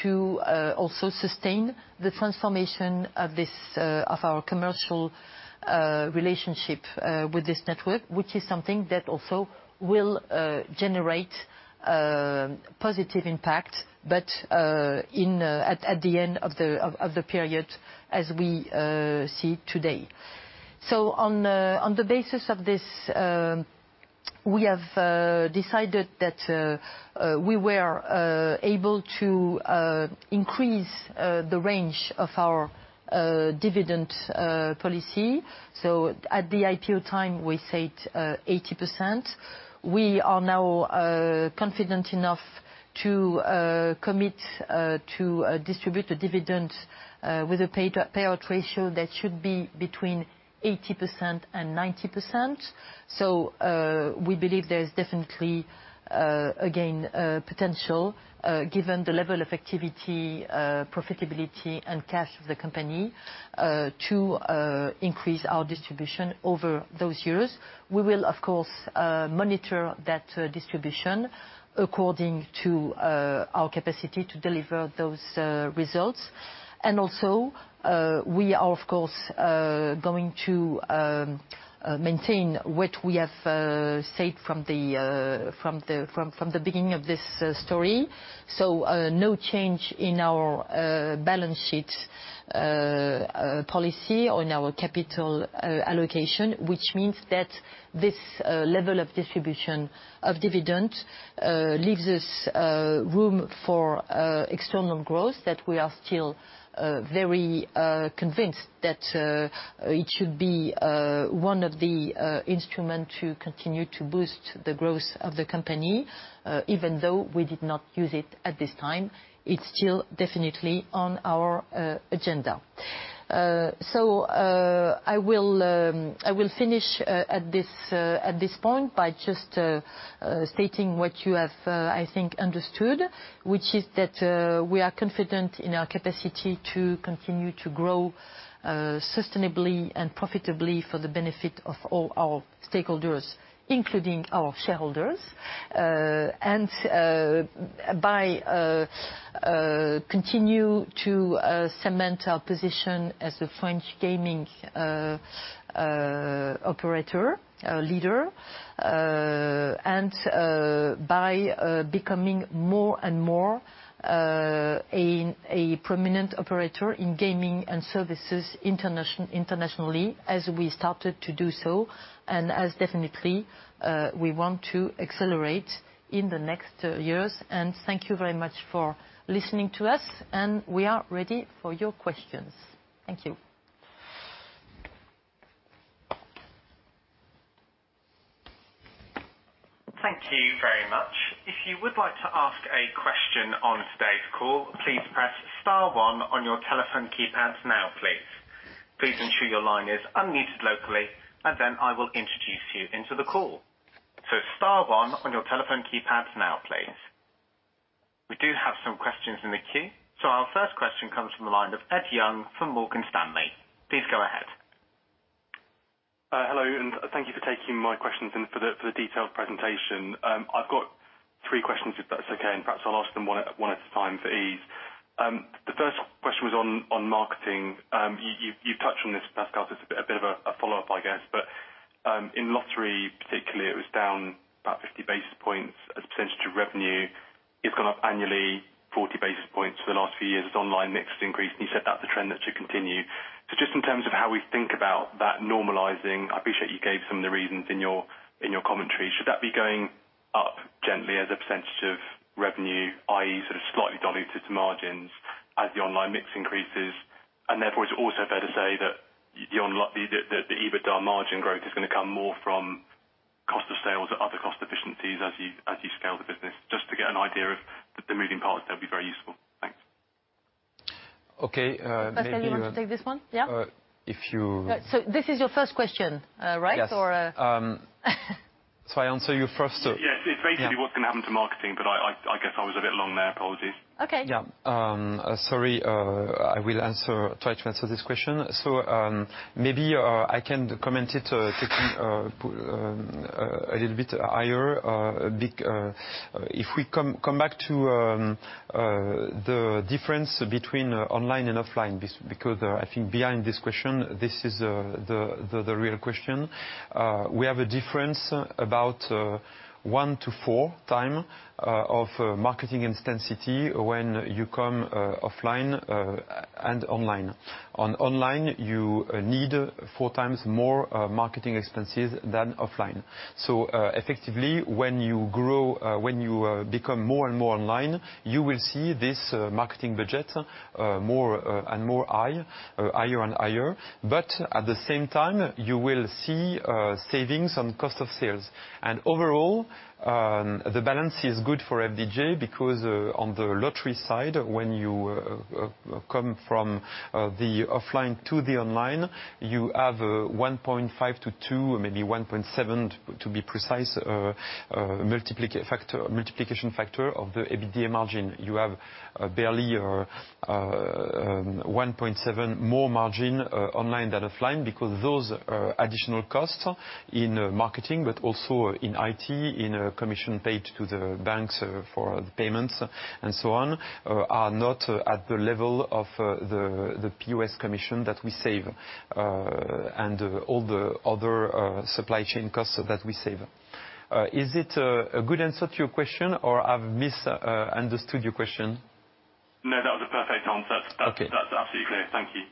to sustain the transformation of our commercial relationship with this network, which is something that will generate positive impact. At the end of the period as we see today. On the basis of this, we have decided that we were able to increase the range of our dividend policy. At the IPO time, we said 80%. We are now confident enough to commit to distribute a dividend with a payout ratio that should be between 80% and 90%. We believe there's definitely again a potential given the level of activity, profitability and cash of the company to increase our distribution over those years. We will of course monitor that distribution according to our capacity to deliver those results. We are of course going to maintain what we have said from the beginning of this story. No change in our balance sheet policy on our capital allocation, which means that this level of distribution of dividend leaves us room for external growth that we are still very convinced that it should be one of the instrument to continue to boost the growth of the company, even though we did not use it at this time. It's still definitely on our agenda. I will finish at this point by just stating what you have, I think, understood, which is that we are confident in our capacity to continue to grow sustainably and profitably for the benefit of all our stakeholders, including our shareholders. By continuing to cement our position as a French gaming operator leader, and by becoming more and more a prominent operator in gaming and services internationally as we started to do so and as definitely we want to accelerate in the next years. Thank you very much for listening to us and we are ready for your questions. Thank you. Thank you very much. If you would like to ask a question on today's call, please press star one on your telephone keypads now, please. Please ensure your line is unmuted locally, and then I will introduce you into the call. Star one on your telephone keypads now, please. We do have some questions in the queue, so our first question comes from the line of Ed Young from Morgan Stanley. Please go ahead. Hello and thank you for taking my questions and for the detailed presentation. I've got three questions if that's okay, and perhaps I'll ask them one at a time for ease. The first question was on marketing. You've touched on this, Pascal, it's a bit of a follow-up, I guess, but in lottery particularly, it was down about 50 basis points as a percentage of revenue. It's gone up annually 40 basis points for the last few years as online mix increased, and you set out the trend that should continue. Just in terms of how we think about that normalizing, I appreciate you gave some of the reasons in your commentary. Should that be going up gently as a percentage of revenue, i.e., sort of slightly diluted margins as the online mix increases? Therefore, is it also fair to say that the EBITDA margin growth is gonna come more from cost of sales or other cost efficiencies as you scale the business? Just to get an idea of the moving parts, that'd be very useful. Thanks. Okay. Maybe, Pascal, you want to take this one? Yeah. Uh, if you- This is your first question, right? Yes. Or, uh... I answer you first? Yes. It's basically what's gonna happen to marketing, but I guess I was a bit long there. Apologies. Okay. Sorry, I will answer, try to answer this question. Maybe I can comment it, taking a little bit higher. If we come back to the difference between online and offline because I think behind this question, this is the real question. We have a difference about 1x-4x of marketing intensity when you come offline and online. Online, you need 4x more marketing expenses than offline. Effectively, when you grow, when you become more and more online, you will see this marketing budget higher and higher. But at the same time, you will see savings on cost of sales. Overall, the balance is good for FDJ because, on the lottery side, when you come from the offline to the online, you have 1.5x-2x, maybe 1.7x to be precise, multiplication factor of the EBITDA margin. You have 1.7x more margin online than offline because those additional costs in marketing, but also in IT, in commission paid to the banks for the payments and so on, are not at the level of the POS commission that we save, and all the other supply chain costs that we save. Is it a good answer to your question or I've misunderstood your question? No, that was a perfect answer. Okay. That's absolutely clear. Thank you.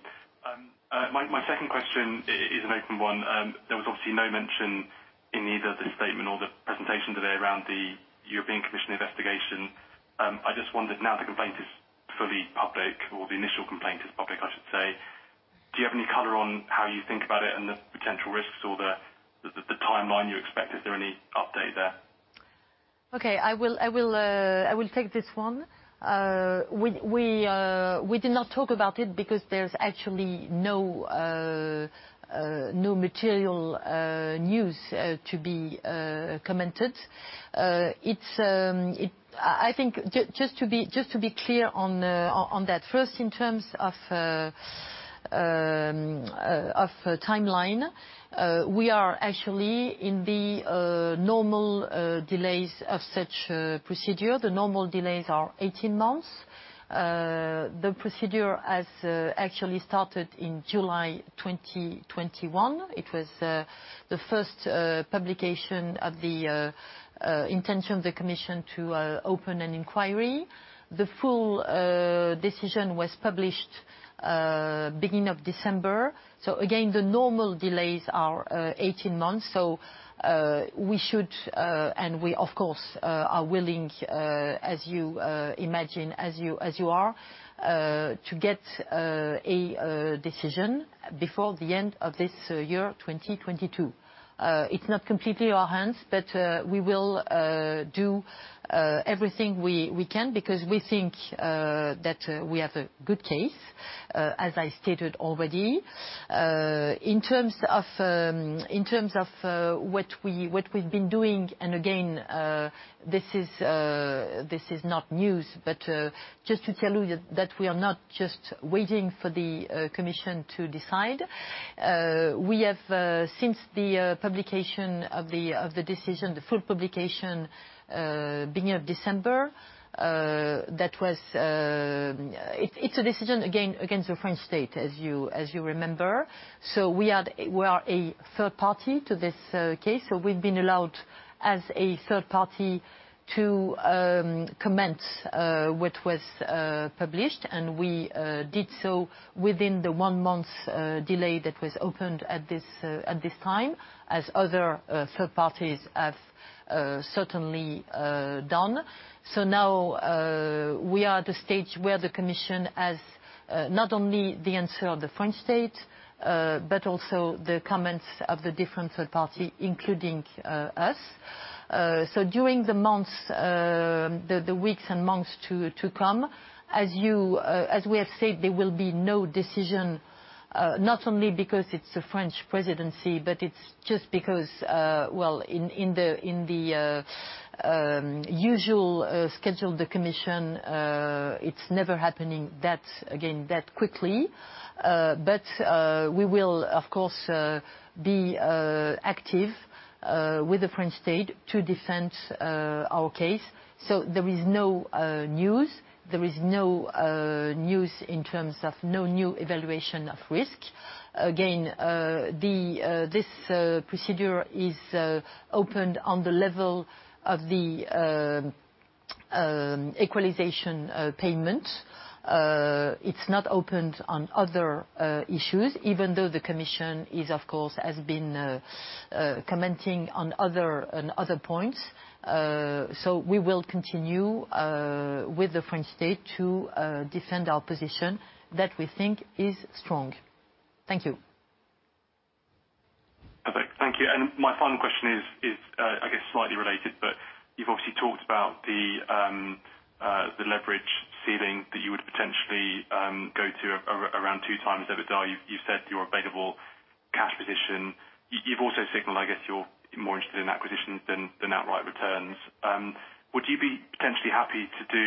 My second question is an open one. There was obviously no mention in either the statement or the presentation today around the European Commission investigation. I just wondered now the complaint is fully public or the initial complaint is public, I should say. Do you have any color on how you think about it and the potential risks or the timeline you expect? Is there any update there? Okay. I will take this one. We did not talk about it because there's actually no material news to be commented. I think just to be clear on that. First in terms of timeline, we are actually in the normal delays of such a procedure. The normal delays are 18 months. The procedure has actually started in July 2021. It was the first publication of the intention of the commission to open an inquiry. The full decision was published beginning of December. Again, the normal delays are 18 months. We of course are willing, as you imagine, as you are, to get a decision before the end of this year, 2022. It's not completely in our hands, but we will do everything we can because we think that we have a good case, as I stated already. In terms of what we've been doing, and again, this is not news, but just to tell you that we are not just waiting for the commission to decide. We have, since the publication of the decision, the full publication beginning of December, that was. It's a decision against the French state, as you remember. We are a third party to this case. We've been allowed as a third party to comment on what was published, and we did so within the one-month delay that was opened at this time, as other third parties have certainly done. Now, we are at the stage where the Commission has not only the answer of the French State, but also the comments of the different third parties, including us. During the months, the weeks and months to come, as we have said, there will be no decision, not only because it's a French presidency, but it's just because well, in the usual schedule of the commission, it's never happening that quickly again. We will of course be active with the French state to defend our case. There is no news in terms of no new evaluation of risk. Again, this procedure is opened on the level of the equalization payment. It's not opened on other issues, even though the commission has, of course, been commenting on other points. We will continue with the French state to defend our position that we think is strong. Thank you. Perfect. Thank you. My final question is, I guess, slightly related, but you've obviously talked about the leverage ceiling that you would potentially go to around 2x EBITDA. You said your available cash position. You've also signaled, I guess, you're more interested in acquisitions than outright returns. Would you be potentially happy to do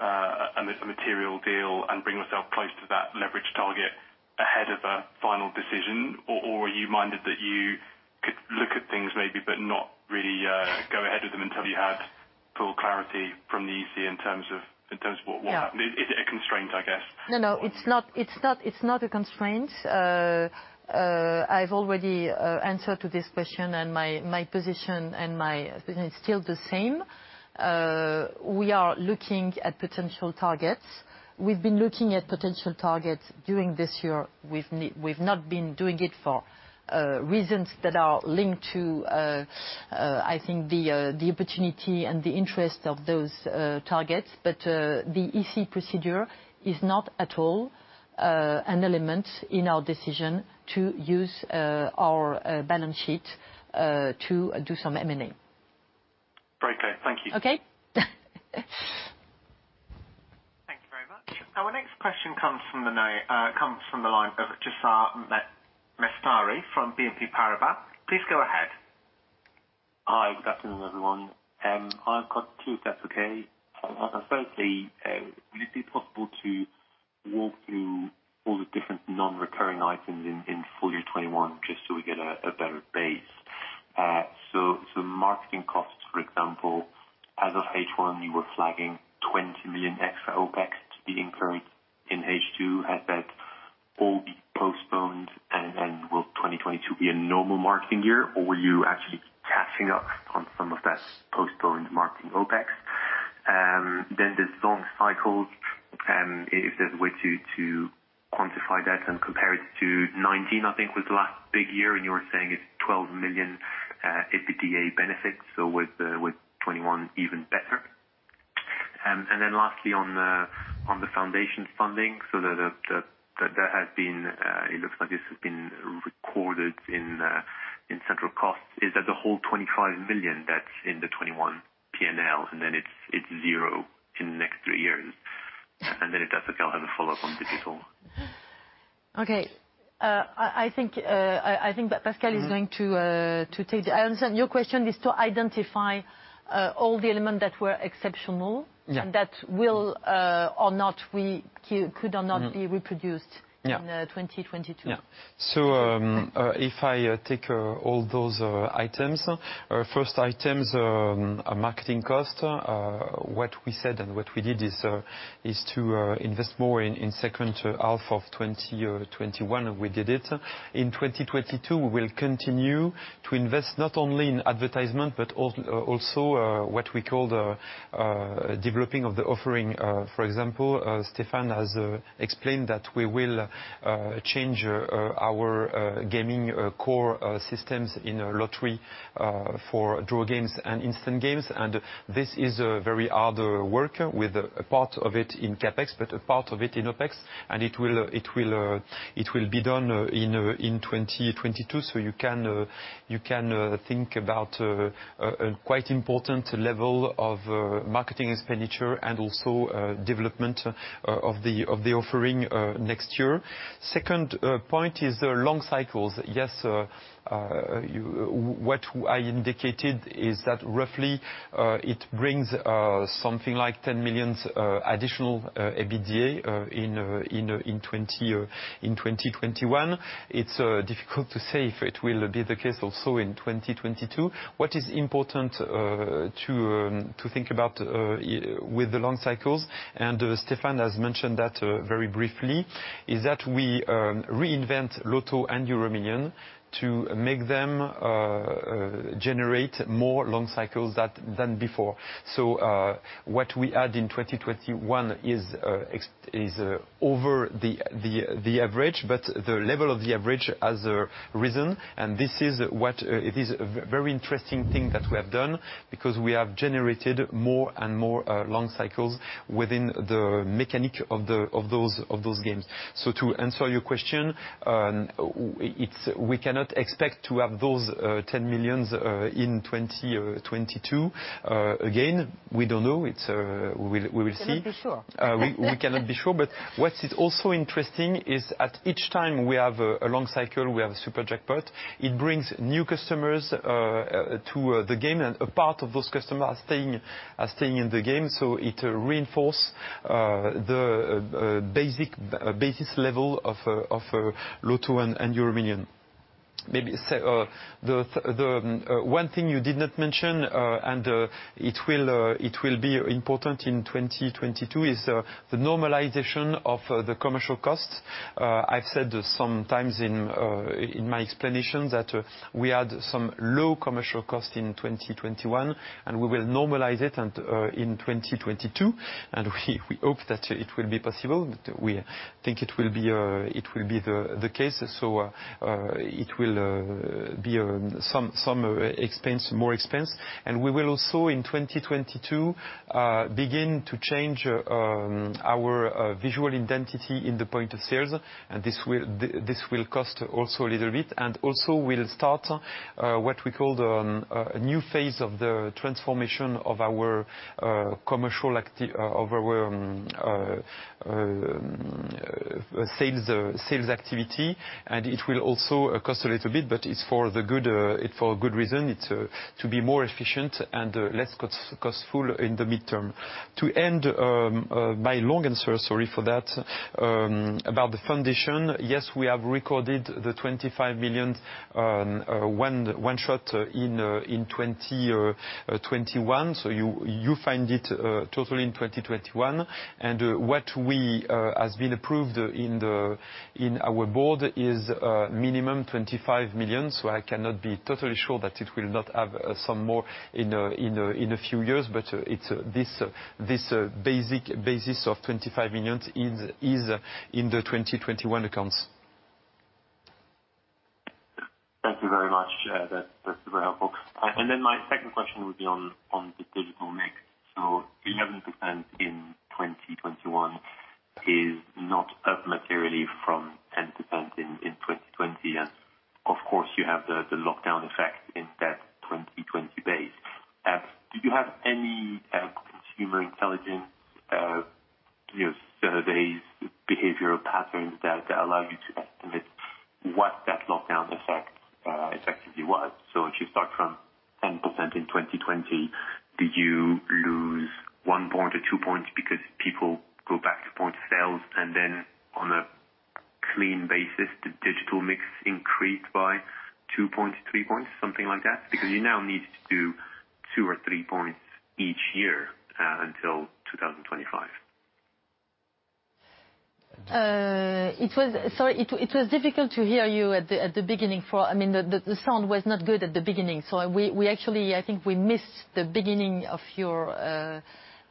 a material deal and bring yourself close to that leverage target ahead of a final decision? Are you minded that you could look at things maybe, but not really go ahead with them until you had full clarity from the EC in terms of what happened? Yeah. Is it a constraint, I guess? No, it's not a constraint. I've already answered to this question, and my position and my opinion is still the same. We are looking at potential targets. We've been looking at potential targets during this year. We've not been doing it for reasons that are linked to, I think the opportunity and the interest of those targets. The EC procedure is not at all an element in our decision to use our balance sheet to do some M&A. Very clear. Thank you. Okay. Thank you very much. Our next question comes from the line of Jaafar Mestari from BNP Paribas. Please go ahead. Hi. Good afternoon, everyone. I've got two, if that's okay. Firstly, will it be possible to walk through all the different non-recurring items in full year 2021, just so we get a better base? Marketing costs, for example, as of H1, you were flagging 20 million extra OpEx to be incurred in H2. Has that all been postponed? Will 2022 be a normal marketing year, or were you actually catching up on some of that postponed marketing OpEx? There's long cycles, if there's a way to quantify that and compare it to 2019, I think was the last big year, and you were saying it's 12 million EBITDA benefits. With 2021 even better. Lastly, on the foundation funding, it looks like this has been recorded in central costs. Is that the whole 25 million that's in the 2021 P&L, and then it's zero in the next three years? If Pascal has a follow-up on digital. Okay. I think that Pascal is going to take it. I understand your question is to identify all the elements that were exceptional. Yeah. That will or not be reproduced. Yeah. in 2022. Yeah. If I take all those items. First items are marketing cost. What we said and what we did is to invest more in H2 of 2021, and we did it. In 2022, we will continue to invest not only in advertisement, but also what we call the developing of the offering. For example, Stéphane has explained that we will change our gaming core systems in our lottery for draw games and instant games. This is a very hard work with a part of it in CapEx, but a part of it in OpEx. It will be done in 2022. You can think about a quite important level of marketing expenditure and also development of the offering next year. Second point is the long cycles. What I indicated is that roughly it brings something like 10 million additional EBITDA in 2021. It's difficult to say if it will be the case also in 2022. What is important to think about with the long cycles, and Stéphane has mentioned that very briefly, is that we reinvent Loto and EuroMillions to make them generate more long cycles than before. What we add in 2021 is over the average, but the level of the average has risen, and this is what it is a very interesting thing that we have done because we have generated more and more long cycles within the mechanics of those games. To answer your question, we cannot expect to have those 10 million in 2022. Again, we don't know. We will see. We cannot be sure. We cannot be sure. What is also interesting is at each time we have a long cycle, we have a super jackpot. It brings new customers to the game, and a part of those customers are staying in the game. It reinforce the basic basis level of Loto and EuroMillions. Maybe say the one thing you did not mention and it will be important in 2022 is the normalization of the commercial costs. I've said sometimes in my explanation that we had some low commercial costs in 2021, and we will normalize it in 2022. We hope that it will be possible. We think it will be the case. It will be some expense, more expense. We will also in 2022 begin to change our visual identity in the points of sale. This will cost also a little bit. We'll start what we call a new phase of the transformation of our sales activity, and it will also cost a little bit, but it's for the good, it's for a good reason. It's to be more efficient and less costly in the midterm. To end my long answer, sorry for that, about the foundation. Yes, we have recorded the 25 million one shot in 2021. So you find it total in 2021. What has been approved in our board is minimum 25 million. So I cannot be totally sure that it will not have some more in a few years. It's this basic basis of 25 million in the 2021 accounts. Thank you very much. That's super helpful. My second question would be on the digital mix. 11% in 2021 is not up materially from 10% in 2020. Of course, you have the lockdown effect in that 2020 base. Do you have any consumer intelligence, you know, say, your behavioral patterns that allow you to estimate what that lockdown effect effectively was? If you start from 10% in 2020, do you lose one point or two points because people go back to points of sale, and then on a clean basis, the digital mix increased by two point, three points, something like that? Because you now need to do two or three points each year until 2025. Sorry, it was difficult to hear you at the beginning. I mean, the sound was not good at the beginning. We actually, I think we missed the beginning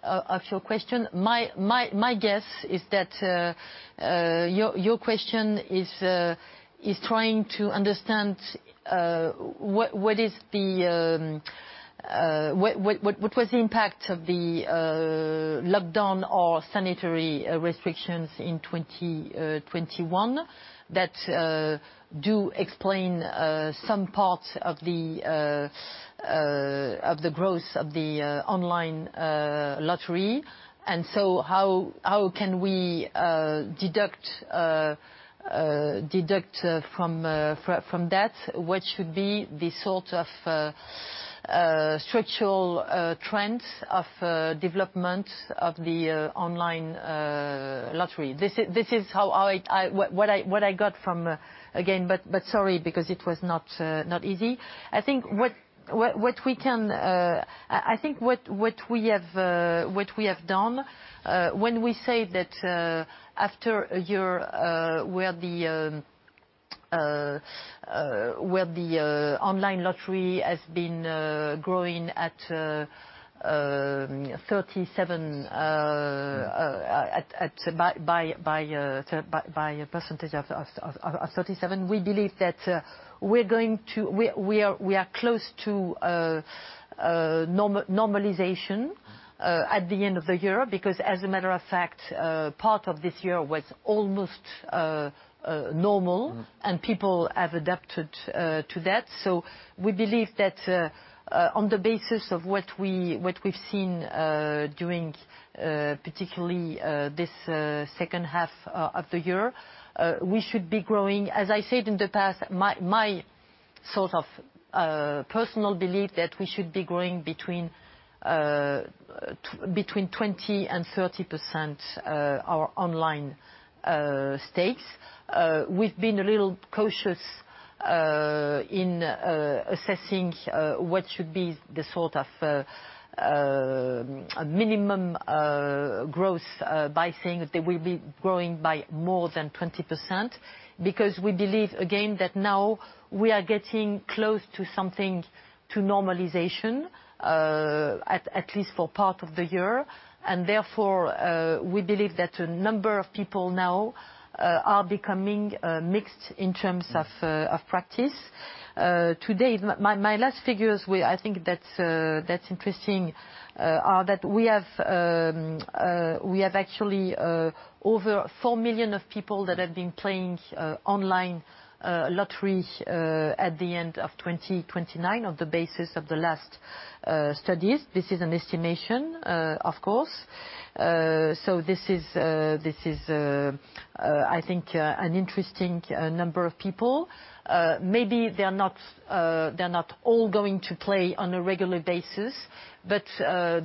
of your question. My guess is that your question is trying to understand what was the impact of the lockdown or sanitary restrictions in 2021 that do explain some parts of the growth of the online lottery. How can we deduce from that what should be the sort of structural trend of development of the online lottery? This is what I got from again, but sorry because it was not easy. I think what we have done when we say that after the year where the online lottery has been growing by 37%. We believe that we are close to normalization at the end of the year because as a matter of fact part of this year was almost normal and people have adapted to that. We believe that, on the basis of what we've seen, during particularly this H2 of the year, we should be growing. As I said in the past, my sort of personal belief that we should be growing between 20% and 30% our online stakes. We've been a little cautious in assessing what should be the sort of a minimum growth by saying that we'll be growing by more than 20% because we believe again that now we are getting close to something to normalization, at least for part of the year. Therefore, we believe that a number of people now are becoming mixed in terms of of practice. Today, my last figures were, I think that's interesting, are that we have actually over 4 million people that have been playing online lottery at the end of 2020 on the basis of the last studies. This is an estimation, of course. This is this is I think an interesting number of people. Maybe they are not they're not all going to play on a regular basis, but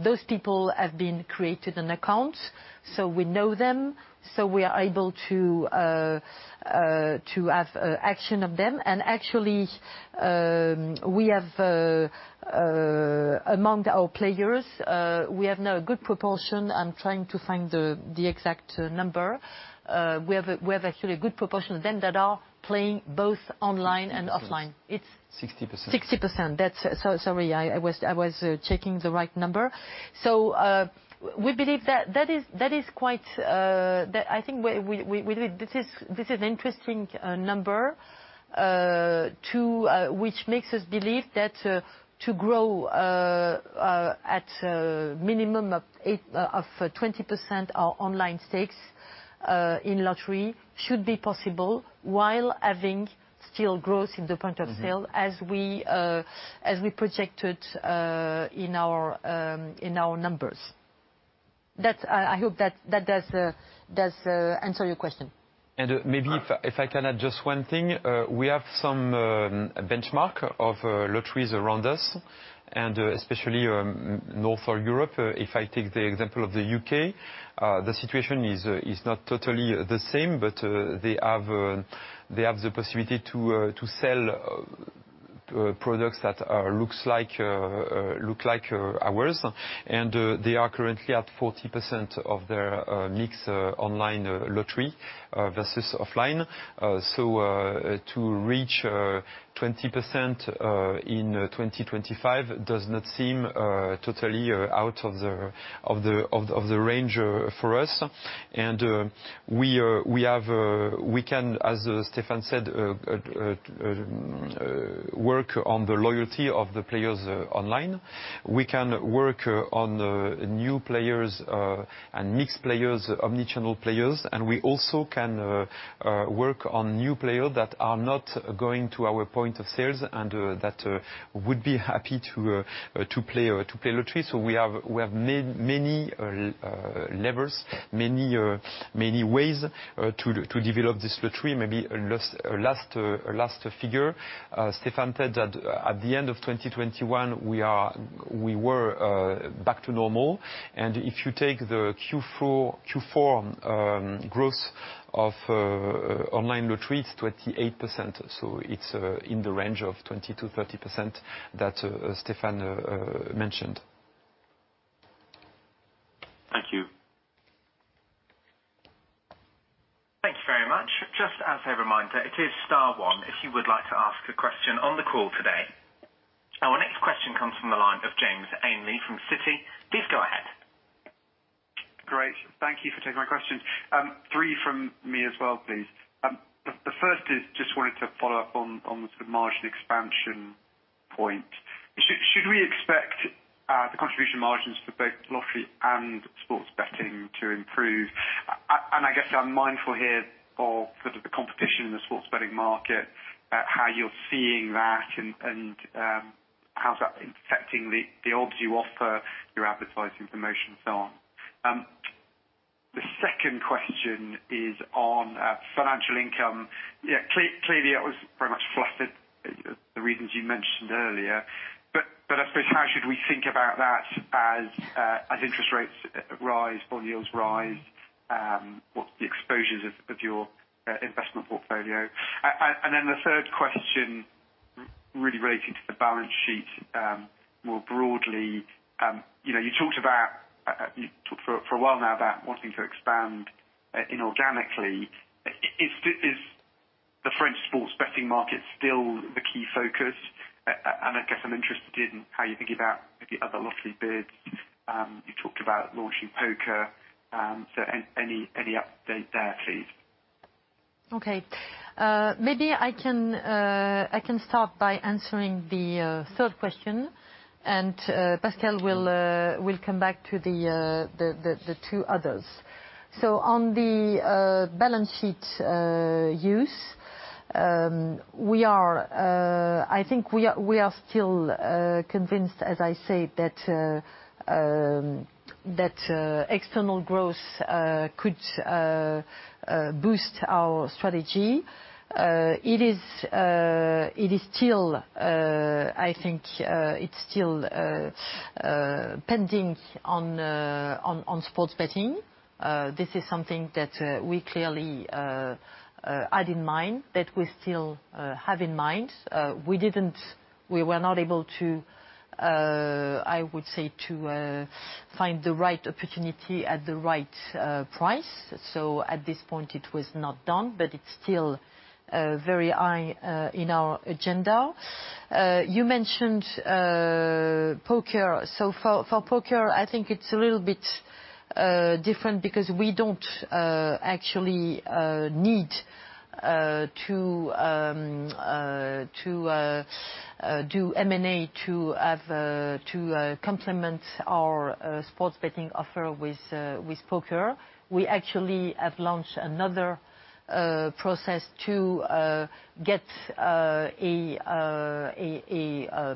those people have created an account, so we know them, so we are able to act on them. Actually, we have among our players now a good proportion. I'm trying to find the exact number. We have actually a good proportion of them that are playing both online and offline. It's- 60%. 60%. That's. Sorry, I was checking the right number. We believe that is quite interesting number to which makes us believe that to grow at minimum of 20% our online stakes in lottery should be possible while having still growth in the point-of-sale. Mm-hmm. As we projected in our numbers. That's, I hope, that does answer your question. Maybe if I can add just one thing. We have some benchmark of lotteries around us, and especially North Europe. If I take the example of the U.K., the situation is not totally the same, but they have the possibility to sell products that look like ours. They are currently at 40% of their mixed online lottery versus offline. So to reach 20% in 2025 does not seem totally out of the range for us. We can, as Stéphane said, work on the loyalty of the players online. We can work on new players and mixed players, omnichannel players, and we also can work on new players that are not going to our points of sale and that would be happy to play or to play lottery. We have made many levers, many ways to develop this lottery. Maybe last figure, Stéphane said that at the end of 2021 we were back to normal. If you take the Q4 growth of online lotteries, 28%. It's in the range of 20%-30% that Stéphane mentioned. Thank you. Thank you very much. Just as a reminder, it is star one if you would like to ask a question on the call today. Our next question comes from the line of James Ainley from Citi. Please go ahead. Great. Thank you for taking my questions. Three from me as well, please. The first is I just wanted to follow up on the sort of margin expansion point. Should we expect the contribution margins for both lottery and sports betting to improve? I guess I'm mindful here of sort of the competition in the sports betting market, how you're seeing that and how's that impacting the odds you offer, your advertising, promotion and so on. The second question is on financial income. Yeah, clearly that was very much flattered by the reasons you mentioned earlier. I suppose how should we think about that as interest rates rise, bond yields rise? What's the exposures of your investment portfolio? The third question really relating to the balance sheet, more broadly. You know, you talked for a while now about wanting to expand inorganically. Is the French sports betting market still the key focus? I guess I'm interested in how you're thinking about maybe other lottery bids. You talked about launching poker. Any update there, please? Okay. Maybe I can start by answering the third question, and Pascal will come back to the two others. On the balance sheet, we are, I think we are still convinced, as I say, that external growth could boost our strategy. It is still, I think, it's still pending on sports betting. This is something that we clearly had in mind, that we still have in mind. We were not able to, I would say, to find the right opportunity at the right price. At this point it was not done, but it's still very high in our agenda. You mentioned poker. For poker, I think it's a little bit different because we don't actually need to do M&A to complement our sports betting offer with poker. We actually have launched another process to get a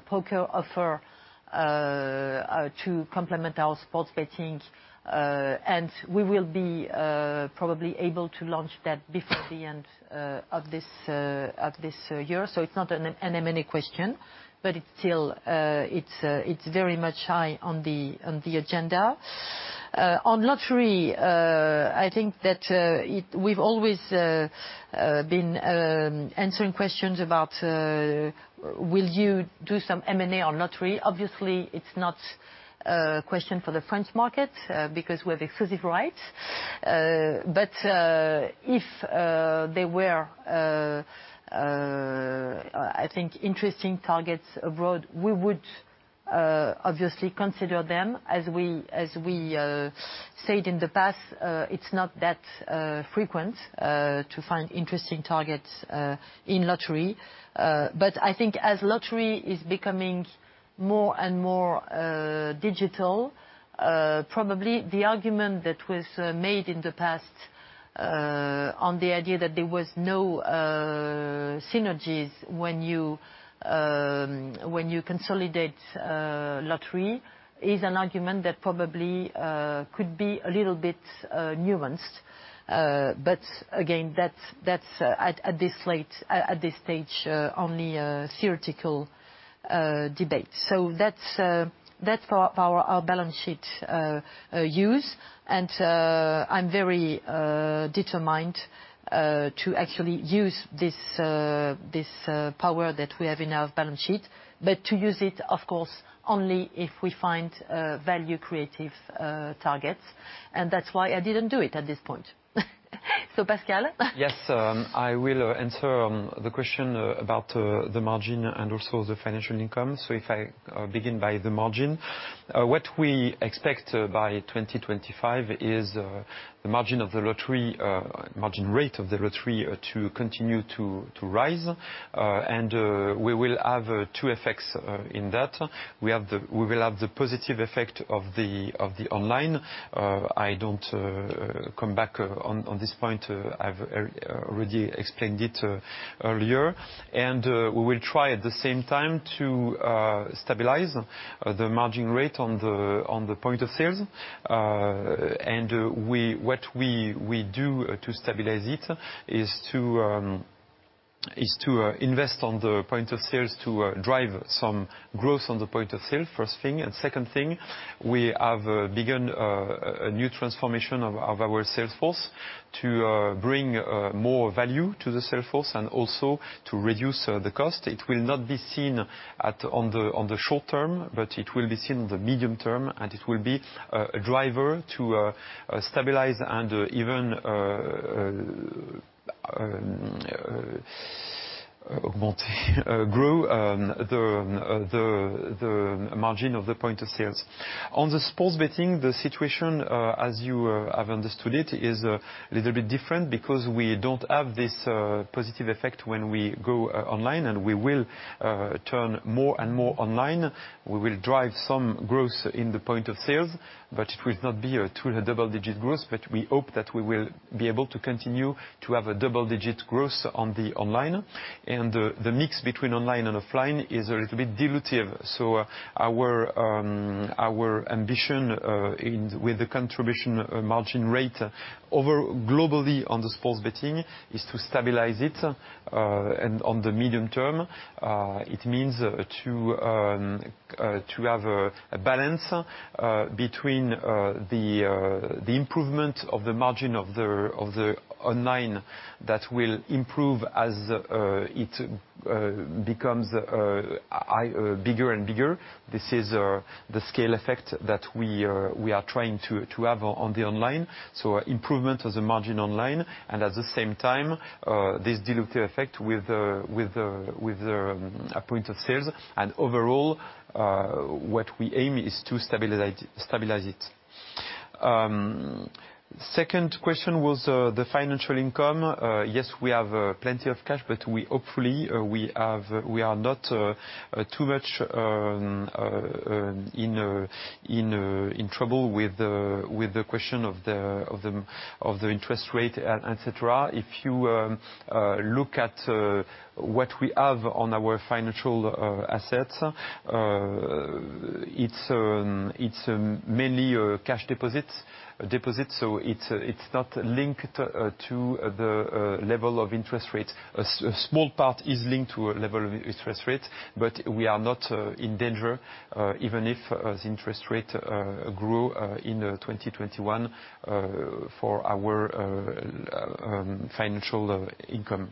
poker offer to complement our sports betting. We will be probably able to launch that before the end of this year. It's not an M&A question, but it's still very much high on the agenda. On lottery, I think that we've always been answering questions about will you do some M&A on lottery? Obviously, it's not a question for the French market because we have exclusive rights. If there were interesting targets abroad, we would obviously consider them. As we said in the past, it's not that frequent to find interesting targets in lottery. I think as lottery is becoming more and more digital, probably the argument that was made in the past on the idea that there was no synergies when you consolidate lottery is an argument that probably could be a little bit nuanced. Again, that's at this late stage only a theoretical debate. That's for our balance sheet use. I'm very determined to actually use this power that we have in our balance sheet, but to use it, of course, only if we find value-creating targets. That's why I didn't do it at this point. Pascal? Yes, I will answer the question about the margin and also the financial income. If I begin by the margin, what we expect by 2025 is the margin of the lottery, margin rate of the lottery, to continue to rise. We will have two effects in that. We will have the positive effect of the online. I don't come back on this point. I've already explained it earlier. We will try at the same time to stabilize the margin rate on the point of sales. We... What we do to stabilize it is to invest on the point of sale to drive some growth on the point of sale, first thing. Second thing, we have begun a new transformation of our sales force to bring more value to the sales force and also to reduce the cost. It will not be seen in the short term, but it will be seen in the medium term, and it will be a driver to stabilize and even grow the margin of the point of sale. On the sports betting, the situation, as you have understood it, is a little bit different because we don't have this positive effect when we go online, and we will turn more and more online. We will drive some growth in the points of sale, but it will not be a two or double-digit growth. We hope that we will be able to continue to have a double-digit growth on the online. The mix between online and offline is a little bit dilutive. Our ambition with the contribution margin rate overall globally on the sports betting is to stabilize it. On the medium term, it means to have a balance between the improvement of the margin of the online that will improve as it becomes bigger and bigger. This is the scale effect that we are trying to have on the online, so improvement of the margin online. At the same time, this dilutive effect with the points of sale. Overall, what we aim is to stabilize it. Second question was the financial income. Yes, we have plenty of cash, but we hopefully we are not too much in trouble with the question of the interest rate, et cetera. If you look at what we have on our financial assets, it's mainly cash deposits. It's not linked to the level of interest rates. A small part is linked to a level of interest rate, but we are not in danger even if the interest rate grew in 2021 for our financial income.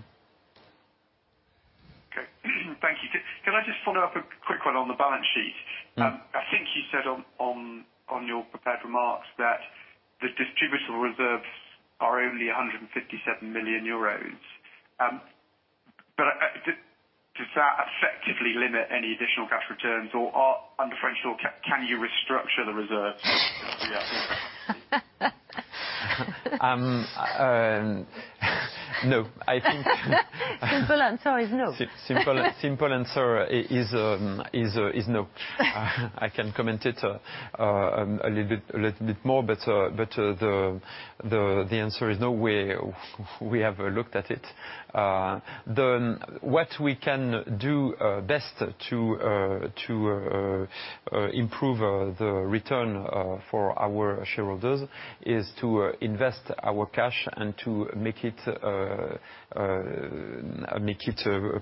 Okay. Thank you. Can I just follow up a quick one on the balance sheet? Mm-hmm. You said on your prepared remarks that the distributable reserves are only 157 million euros. But does that effectively limit any additional cash returns? Or under French law can you restructure the reserves? No. I think. Simple answer is no. Simple answer is no. I can comment on it a little bit more, but the answer is no. We have looked at it. What we can do best to improve the return for our shareholders is to invest our cash and to make it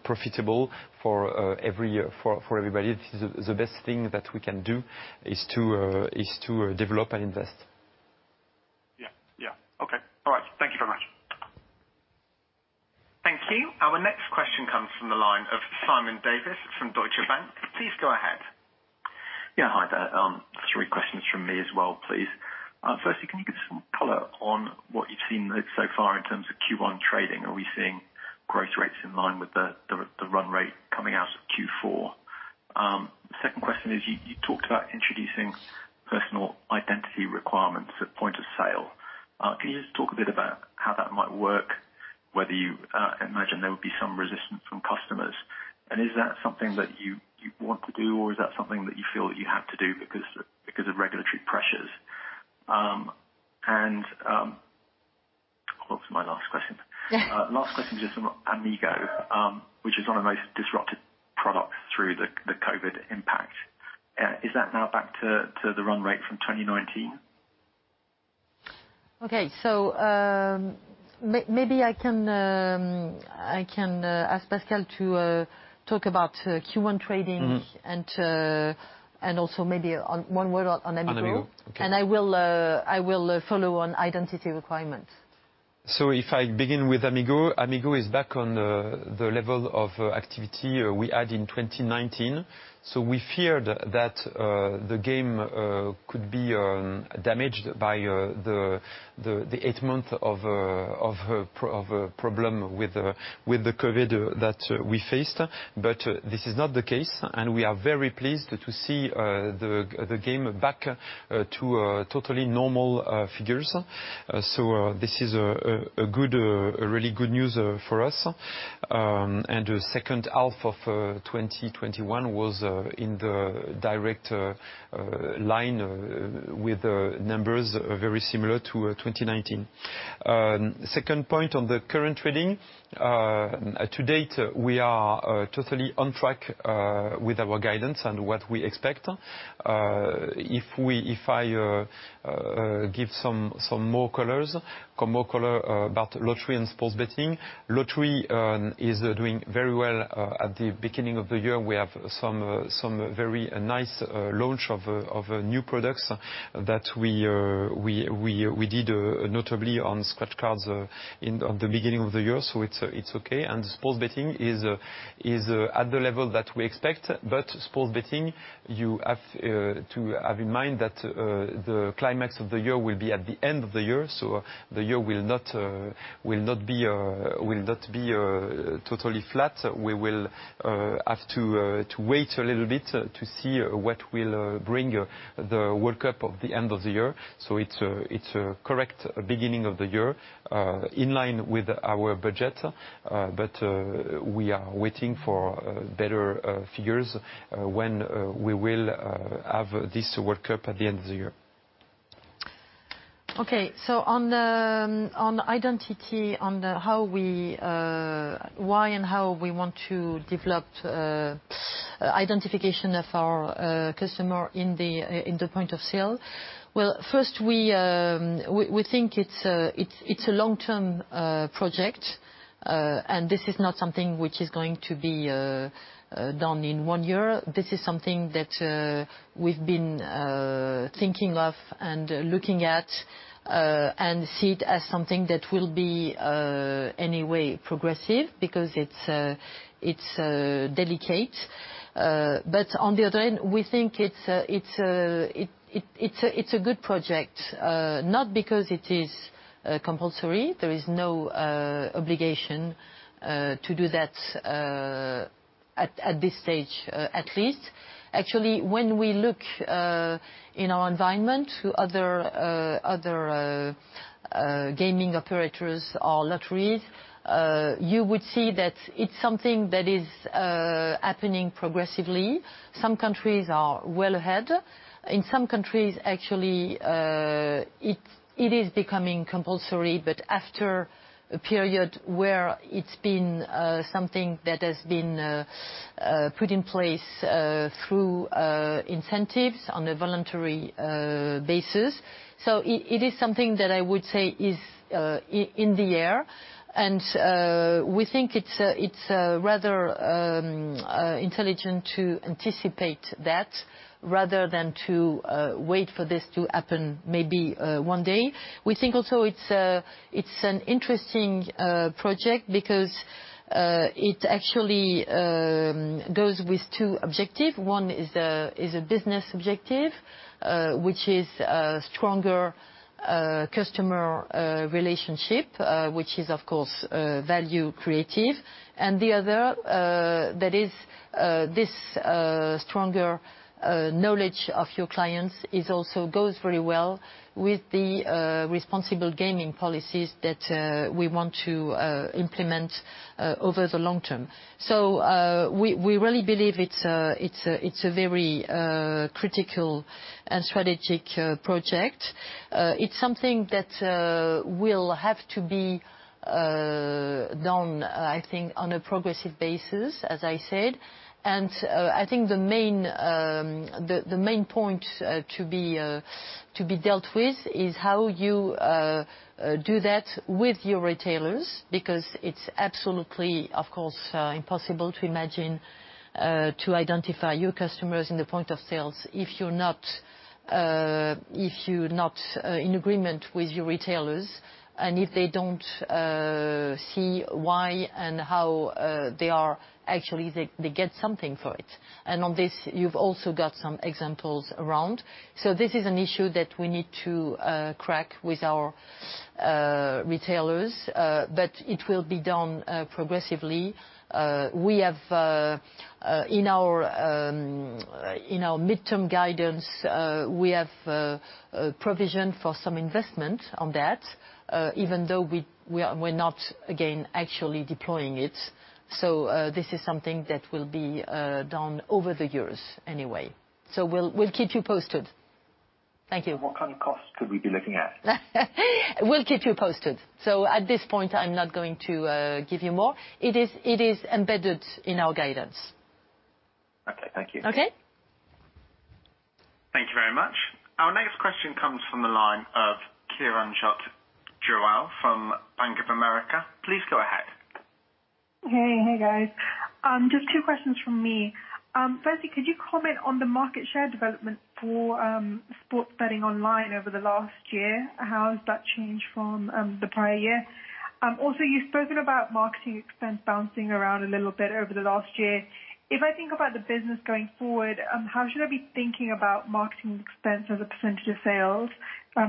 profitable for everybody. This is the best thing that we can do is to develop and invest. Yeah. Yeah. Okay. All right. Thank you very much. Thank you. Our next question comes from the line of Simon Davies from Deutsche Bank. Please go ahead. Yeah, hi there. Three questions from me as well, please. Firstly, can you give some color on what you've seen so far in terms of Q1 trading? Are we seeing growth rates in line with the run rate coming out of Q4? Second question is you talked about introducing personal identity requirements at point of sale. Can you just talk a bit about how that might work, whether you imagine there would be some resistance from customers? Is that something that you want to do, or is that something that you feel that you have to do because of regulatory pressures? What was my last question? Last question is just on Amigo, which is one of the most disrupted products through the COVID impact. Is that now back to the run rate from 2019? Maybe I can ask Pascal to talk about Q1 trading. Mm-hmm also maybe one word on Amigo. On Amigo. Okay. I will follow on identity requirements. If I begin with Amigo is back on the level of activity we had in 2019. We feared that the game could be damaged by the eight months of problems with the COVID that we faced. This is not the case, and we are very pleased to see the game back to totally normal figures. This is a really good news for us. The H2 of 2021 was in the direct line with numbers very similar to 2019. Second point on the current trading. To date, we are totally on track with our guidance and what we expect. If I give some more color about lottery and sports betting, lottery is doing very well. At the beginning of the year, we have some very nice launch of new products that we did notably on scratch cards at the beginning of the year, so it's okay. Sports betting is at the level that we expect. Sports betting, you have to have in mind that the climax of the year will be at the end of the year. The year will not be totally flat. We will have to wait a little bit to see what will bring the World Cup at the end of the year. It's a correct beginning of the year in line with our budget, but we are waiting for better figures when we will have this World Cup at the end of the year. On identity, on the why and how we want to develop identification of our customer in the point of sale. Well, first, we think it's a long-term project, and this is not something which is going to be done in one year. This is something that we've been thinking of and looking at, and see it as something that will be anyway progressive because it's delicate. On the other hand, we think it's a good project, not because it is compulsory. There is no obligation to do that at this stage, at least. Actually, when we look in our environment to other gaming operators or lotteries, you would see that it's something that is happening progressively. Some countries are well ahead. In some countries, actually, it is becoming compulsory, but after a period where it's been something that has been put in place through incentives on a voluntary basis. It is something that I would say is in the air. We think it's rather intelligent to anticipate that rather than to wait for this to happen maybe one day. We think also it's an interesting project because it actually goes with two objectives. One is a business objective, which is a stronger customer relationship, which is of course value-creating. The other, that is, this stronger knowledge of your clients, also goes very well with the responsible gaming policies that we want to implement over the long term. We really believe it's a very critical and strategic project. It's something that will have to be done, I think, on a progressive basis, as I said. I think the main point to be dealt with is how you do that with your retailers, because it's absolutely, of course, impossible to imagine to identify your customers in the point of sales if you're not in agreement with your retailers and if they don't see why and how they actually get something for it. On this, you've also got some examples around. This is an issue that we need to crack with our retailers, but it will be done progressively. We have in our midterm guidance provisioned for some investment on that, even though we are not, again, actually deploying it. This is something that will be done over the years anyway. We'll keep you posted. Thank you. What kind of costs could we be looking at? We'll keep you posted. At this point, I'm not going to give you more. It is embedded in our guidance. Okay. Thank you. Okay? Thank you very much. Our next question comes from the line of Kiranjot Grewal from Bank of America. Please go ahead. Hey. Hey, guys. Just two questions from me. Firstly, could you comment on the market share development for sports betting online over the last year? How has that changed from the prior year? Also, you've spoken about marketing expense bouncing around a little bit over the last year. If I think about the business going forward, how should I be thinking about marketing expense as a percentage of sales?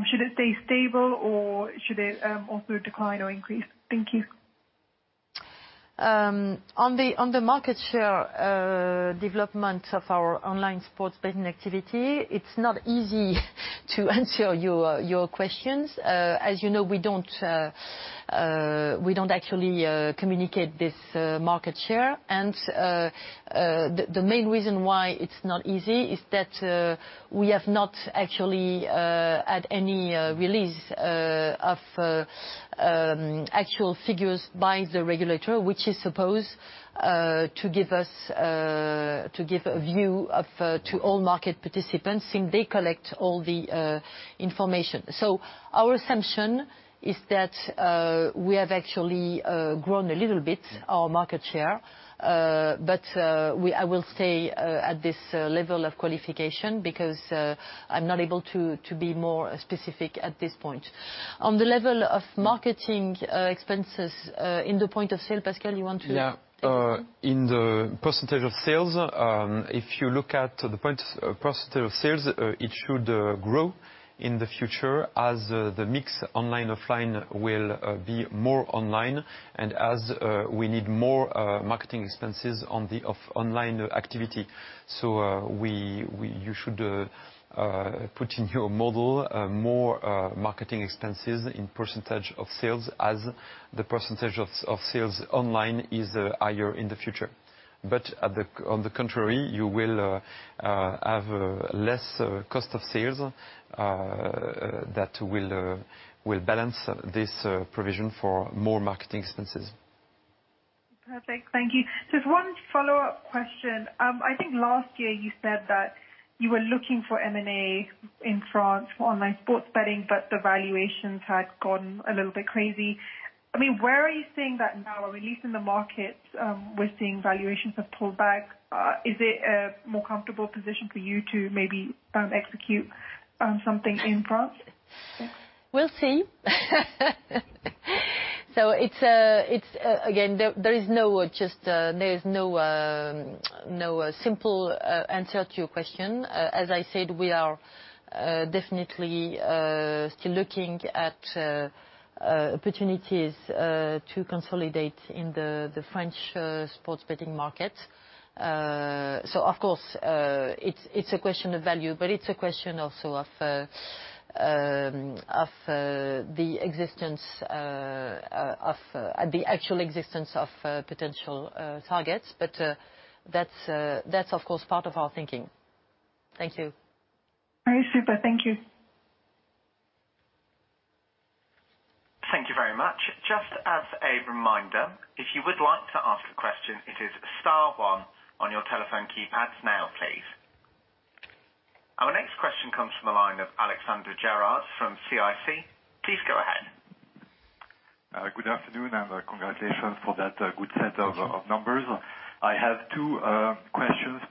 Should it stay stable, or should it also decline or increase? Thank you. On the market share development of our online sports betting activity, it's not easy to answer your questions. As you know, we don't actually communicate this market share. The main reason why it's not easy is that we have not actually had any release of actual figures by the regulator, which is supposed to give a view to all market participants since they collect all the information. Our assumption is that we have actually grown a little bit our market share. I will stay at this level of qualification because I'm not able to be more specific at this point. On the level of marketing expenses in the point of sale, Pascal, you want to- Yeah. Okay. In the percentage of sales, if you look at the percentage of sales, it should grow in the future as the mix online/offline will be more online and as we need more marketing expenses on the online activity. You should put in your model more marketing expenses in percentage of sales as the percentage of sales online is higher in the future. On the contrary, you will have less cost of sales that will balance this provision for more marketing expenses. Perfect. Thank you. Just one follow-up question. I think last year you said that you were looking for M&A in France for online sports betting, but the valuations had gone a little bit crazy. I mean, where are you seeing that now? Or at least in the markets, we're seeing valuations have pulled back. Is it a more comfortable position for you to maybe execute something in France? We'll see. It's again, there is no simple answer to your question. As I said, we are definitely still looking at opportunities to consolidate in the French sports betting market. Of course, it's a question of value, but it's a question also of the existence of potential targets. That's of course part of our thinking. Thank you. All right. Super. Thank you. Thank you very much. Just as a reminder, if you would like to ask a question, it is star one on your telephone keypads now, please. Our next question comes from the line of Alexandre Gérard from CIC. Please go ahead. Good afternoon, and congratulations for that good set of numbers. I have two.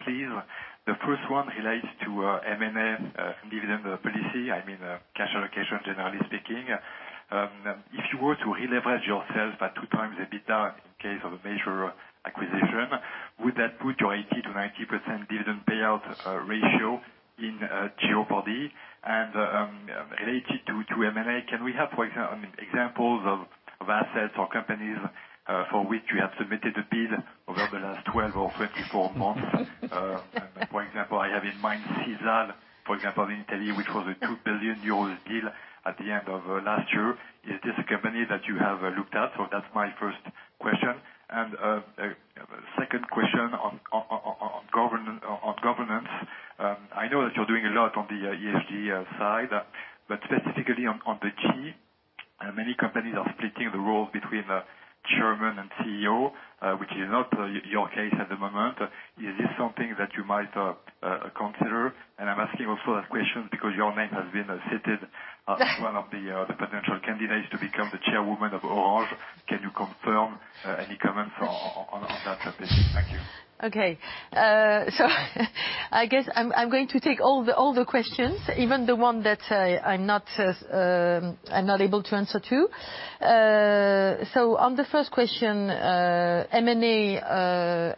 Please, the first one relates to M&A, dividend policy. I mean, cash allocation, generally speaking. If you were to releverage yourself by 2x EBITDA in case of a major acquisition, would that put your 80%-90% dividend payout ratio in jeopardy? Related to M&A, can we have examples of assets or companies for which you have submitted a bid over the last 12 or 24 months? For example, I have in mind Sisal, for example, in Italy, which was a 2 billion euros deal at the end of last year. Is this a company that you have looked at? That's my first question. Second question on governance. I know that you're doing a lot on the ESG side, but specifically on the G, many companies are splitting the roles between the chairman and CEO, which is not your case at the moment. Is this something that you might consider? I'm asking also that question because your name has been cited as one of the potential candidates to become the chairwoman of Orange. Can you confirm any comments on that topic? Thank you. Okay. I guess I'm going to take all the questions, even the one that I'm not able to answer to. On the first question, M&A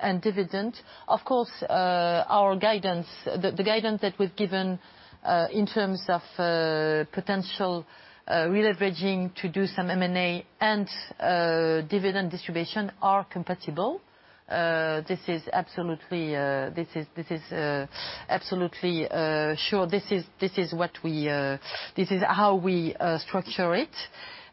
and dividend, of course, our guidance, the guidance that we've given in terms of potential releveraging to do some M&A and dividend distribution are compatible. This is absolutely sure. This is how we structure it.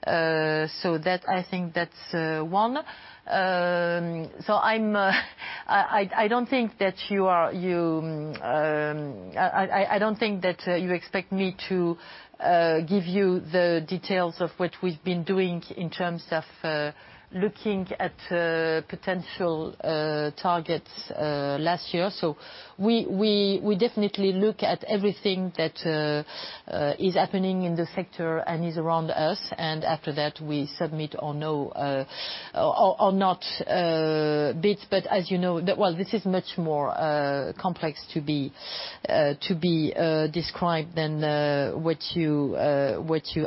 I think that's one. I don't think that you expect me to give you the details of what we've been doing in terms of looking at potential targets last year. We definitely look at everything that is happening in the sector and is around us, and after that, we submit or not bids. As you know, well, this is much more complex to be described than what you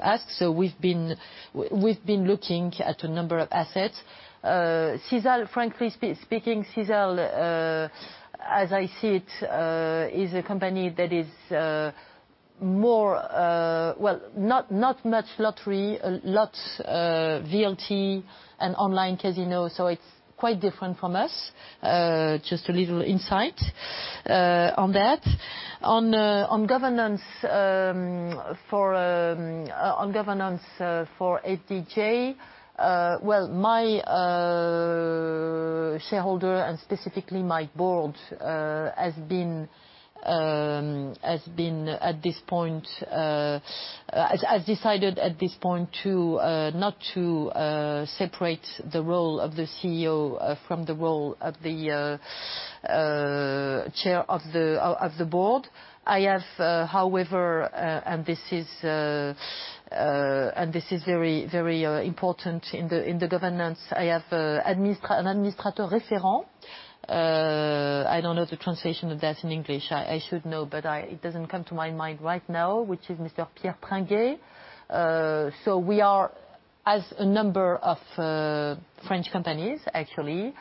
ask. We've been looking at a number of assets. Sisal, frankly speaking, Sisal, as I see it, is a company that is more well, not much lottery, a lot VLT and online casino, so it's quite different from us. Just a little insight on that. On governance for FDJ, well, my shareholder and specifically my board has decided at this point to not separate the role of the CEO from the role of the chair of the board. However, and this is very important in the governance, I have an administrateur référent. I don't know the translation of that in English. I should know, but it doesn't come to my mind right now, which is Mr. Pierre Pringuet. We are as a number of French companies actually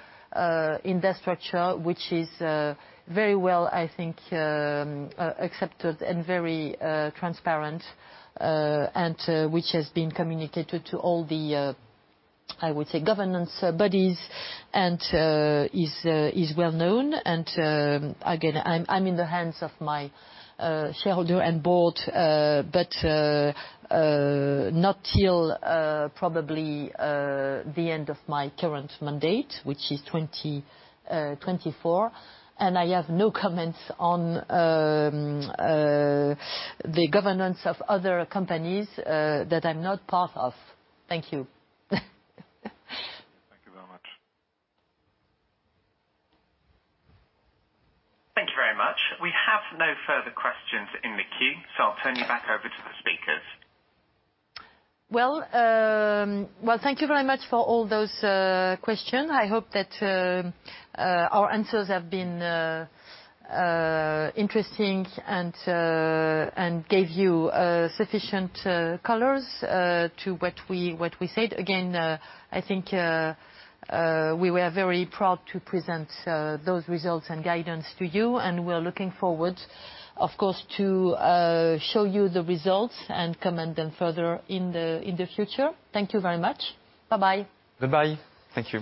in that structure, which is very well, I think, accepted and very transparent, and which has been communicated to all the I would say governance bodies and is well known. Again, I'm in the hands of my shareholder and board, but not till probably the end of my current mandate, which is 2024. I have no comments on the governance of other companies that I'm not part of. Thank you. Thank you very much. Thank you very much. We have no further questions in the queue, so I'll turn you back over to the speakers. Well, thank you very much for all those question. I hope that our answers have been interesting and gave you sufficient colors to what we said. Again, I think we were very proud to present those results and guidance to you, and we are looking forward, of course, to show you the results and comment them further in the future. Thank you very much. Bye-bye. Bye-bye. Thank you.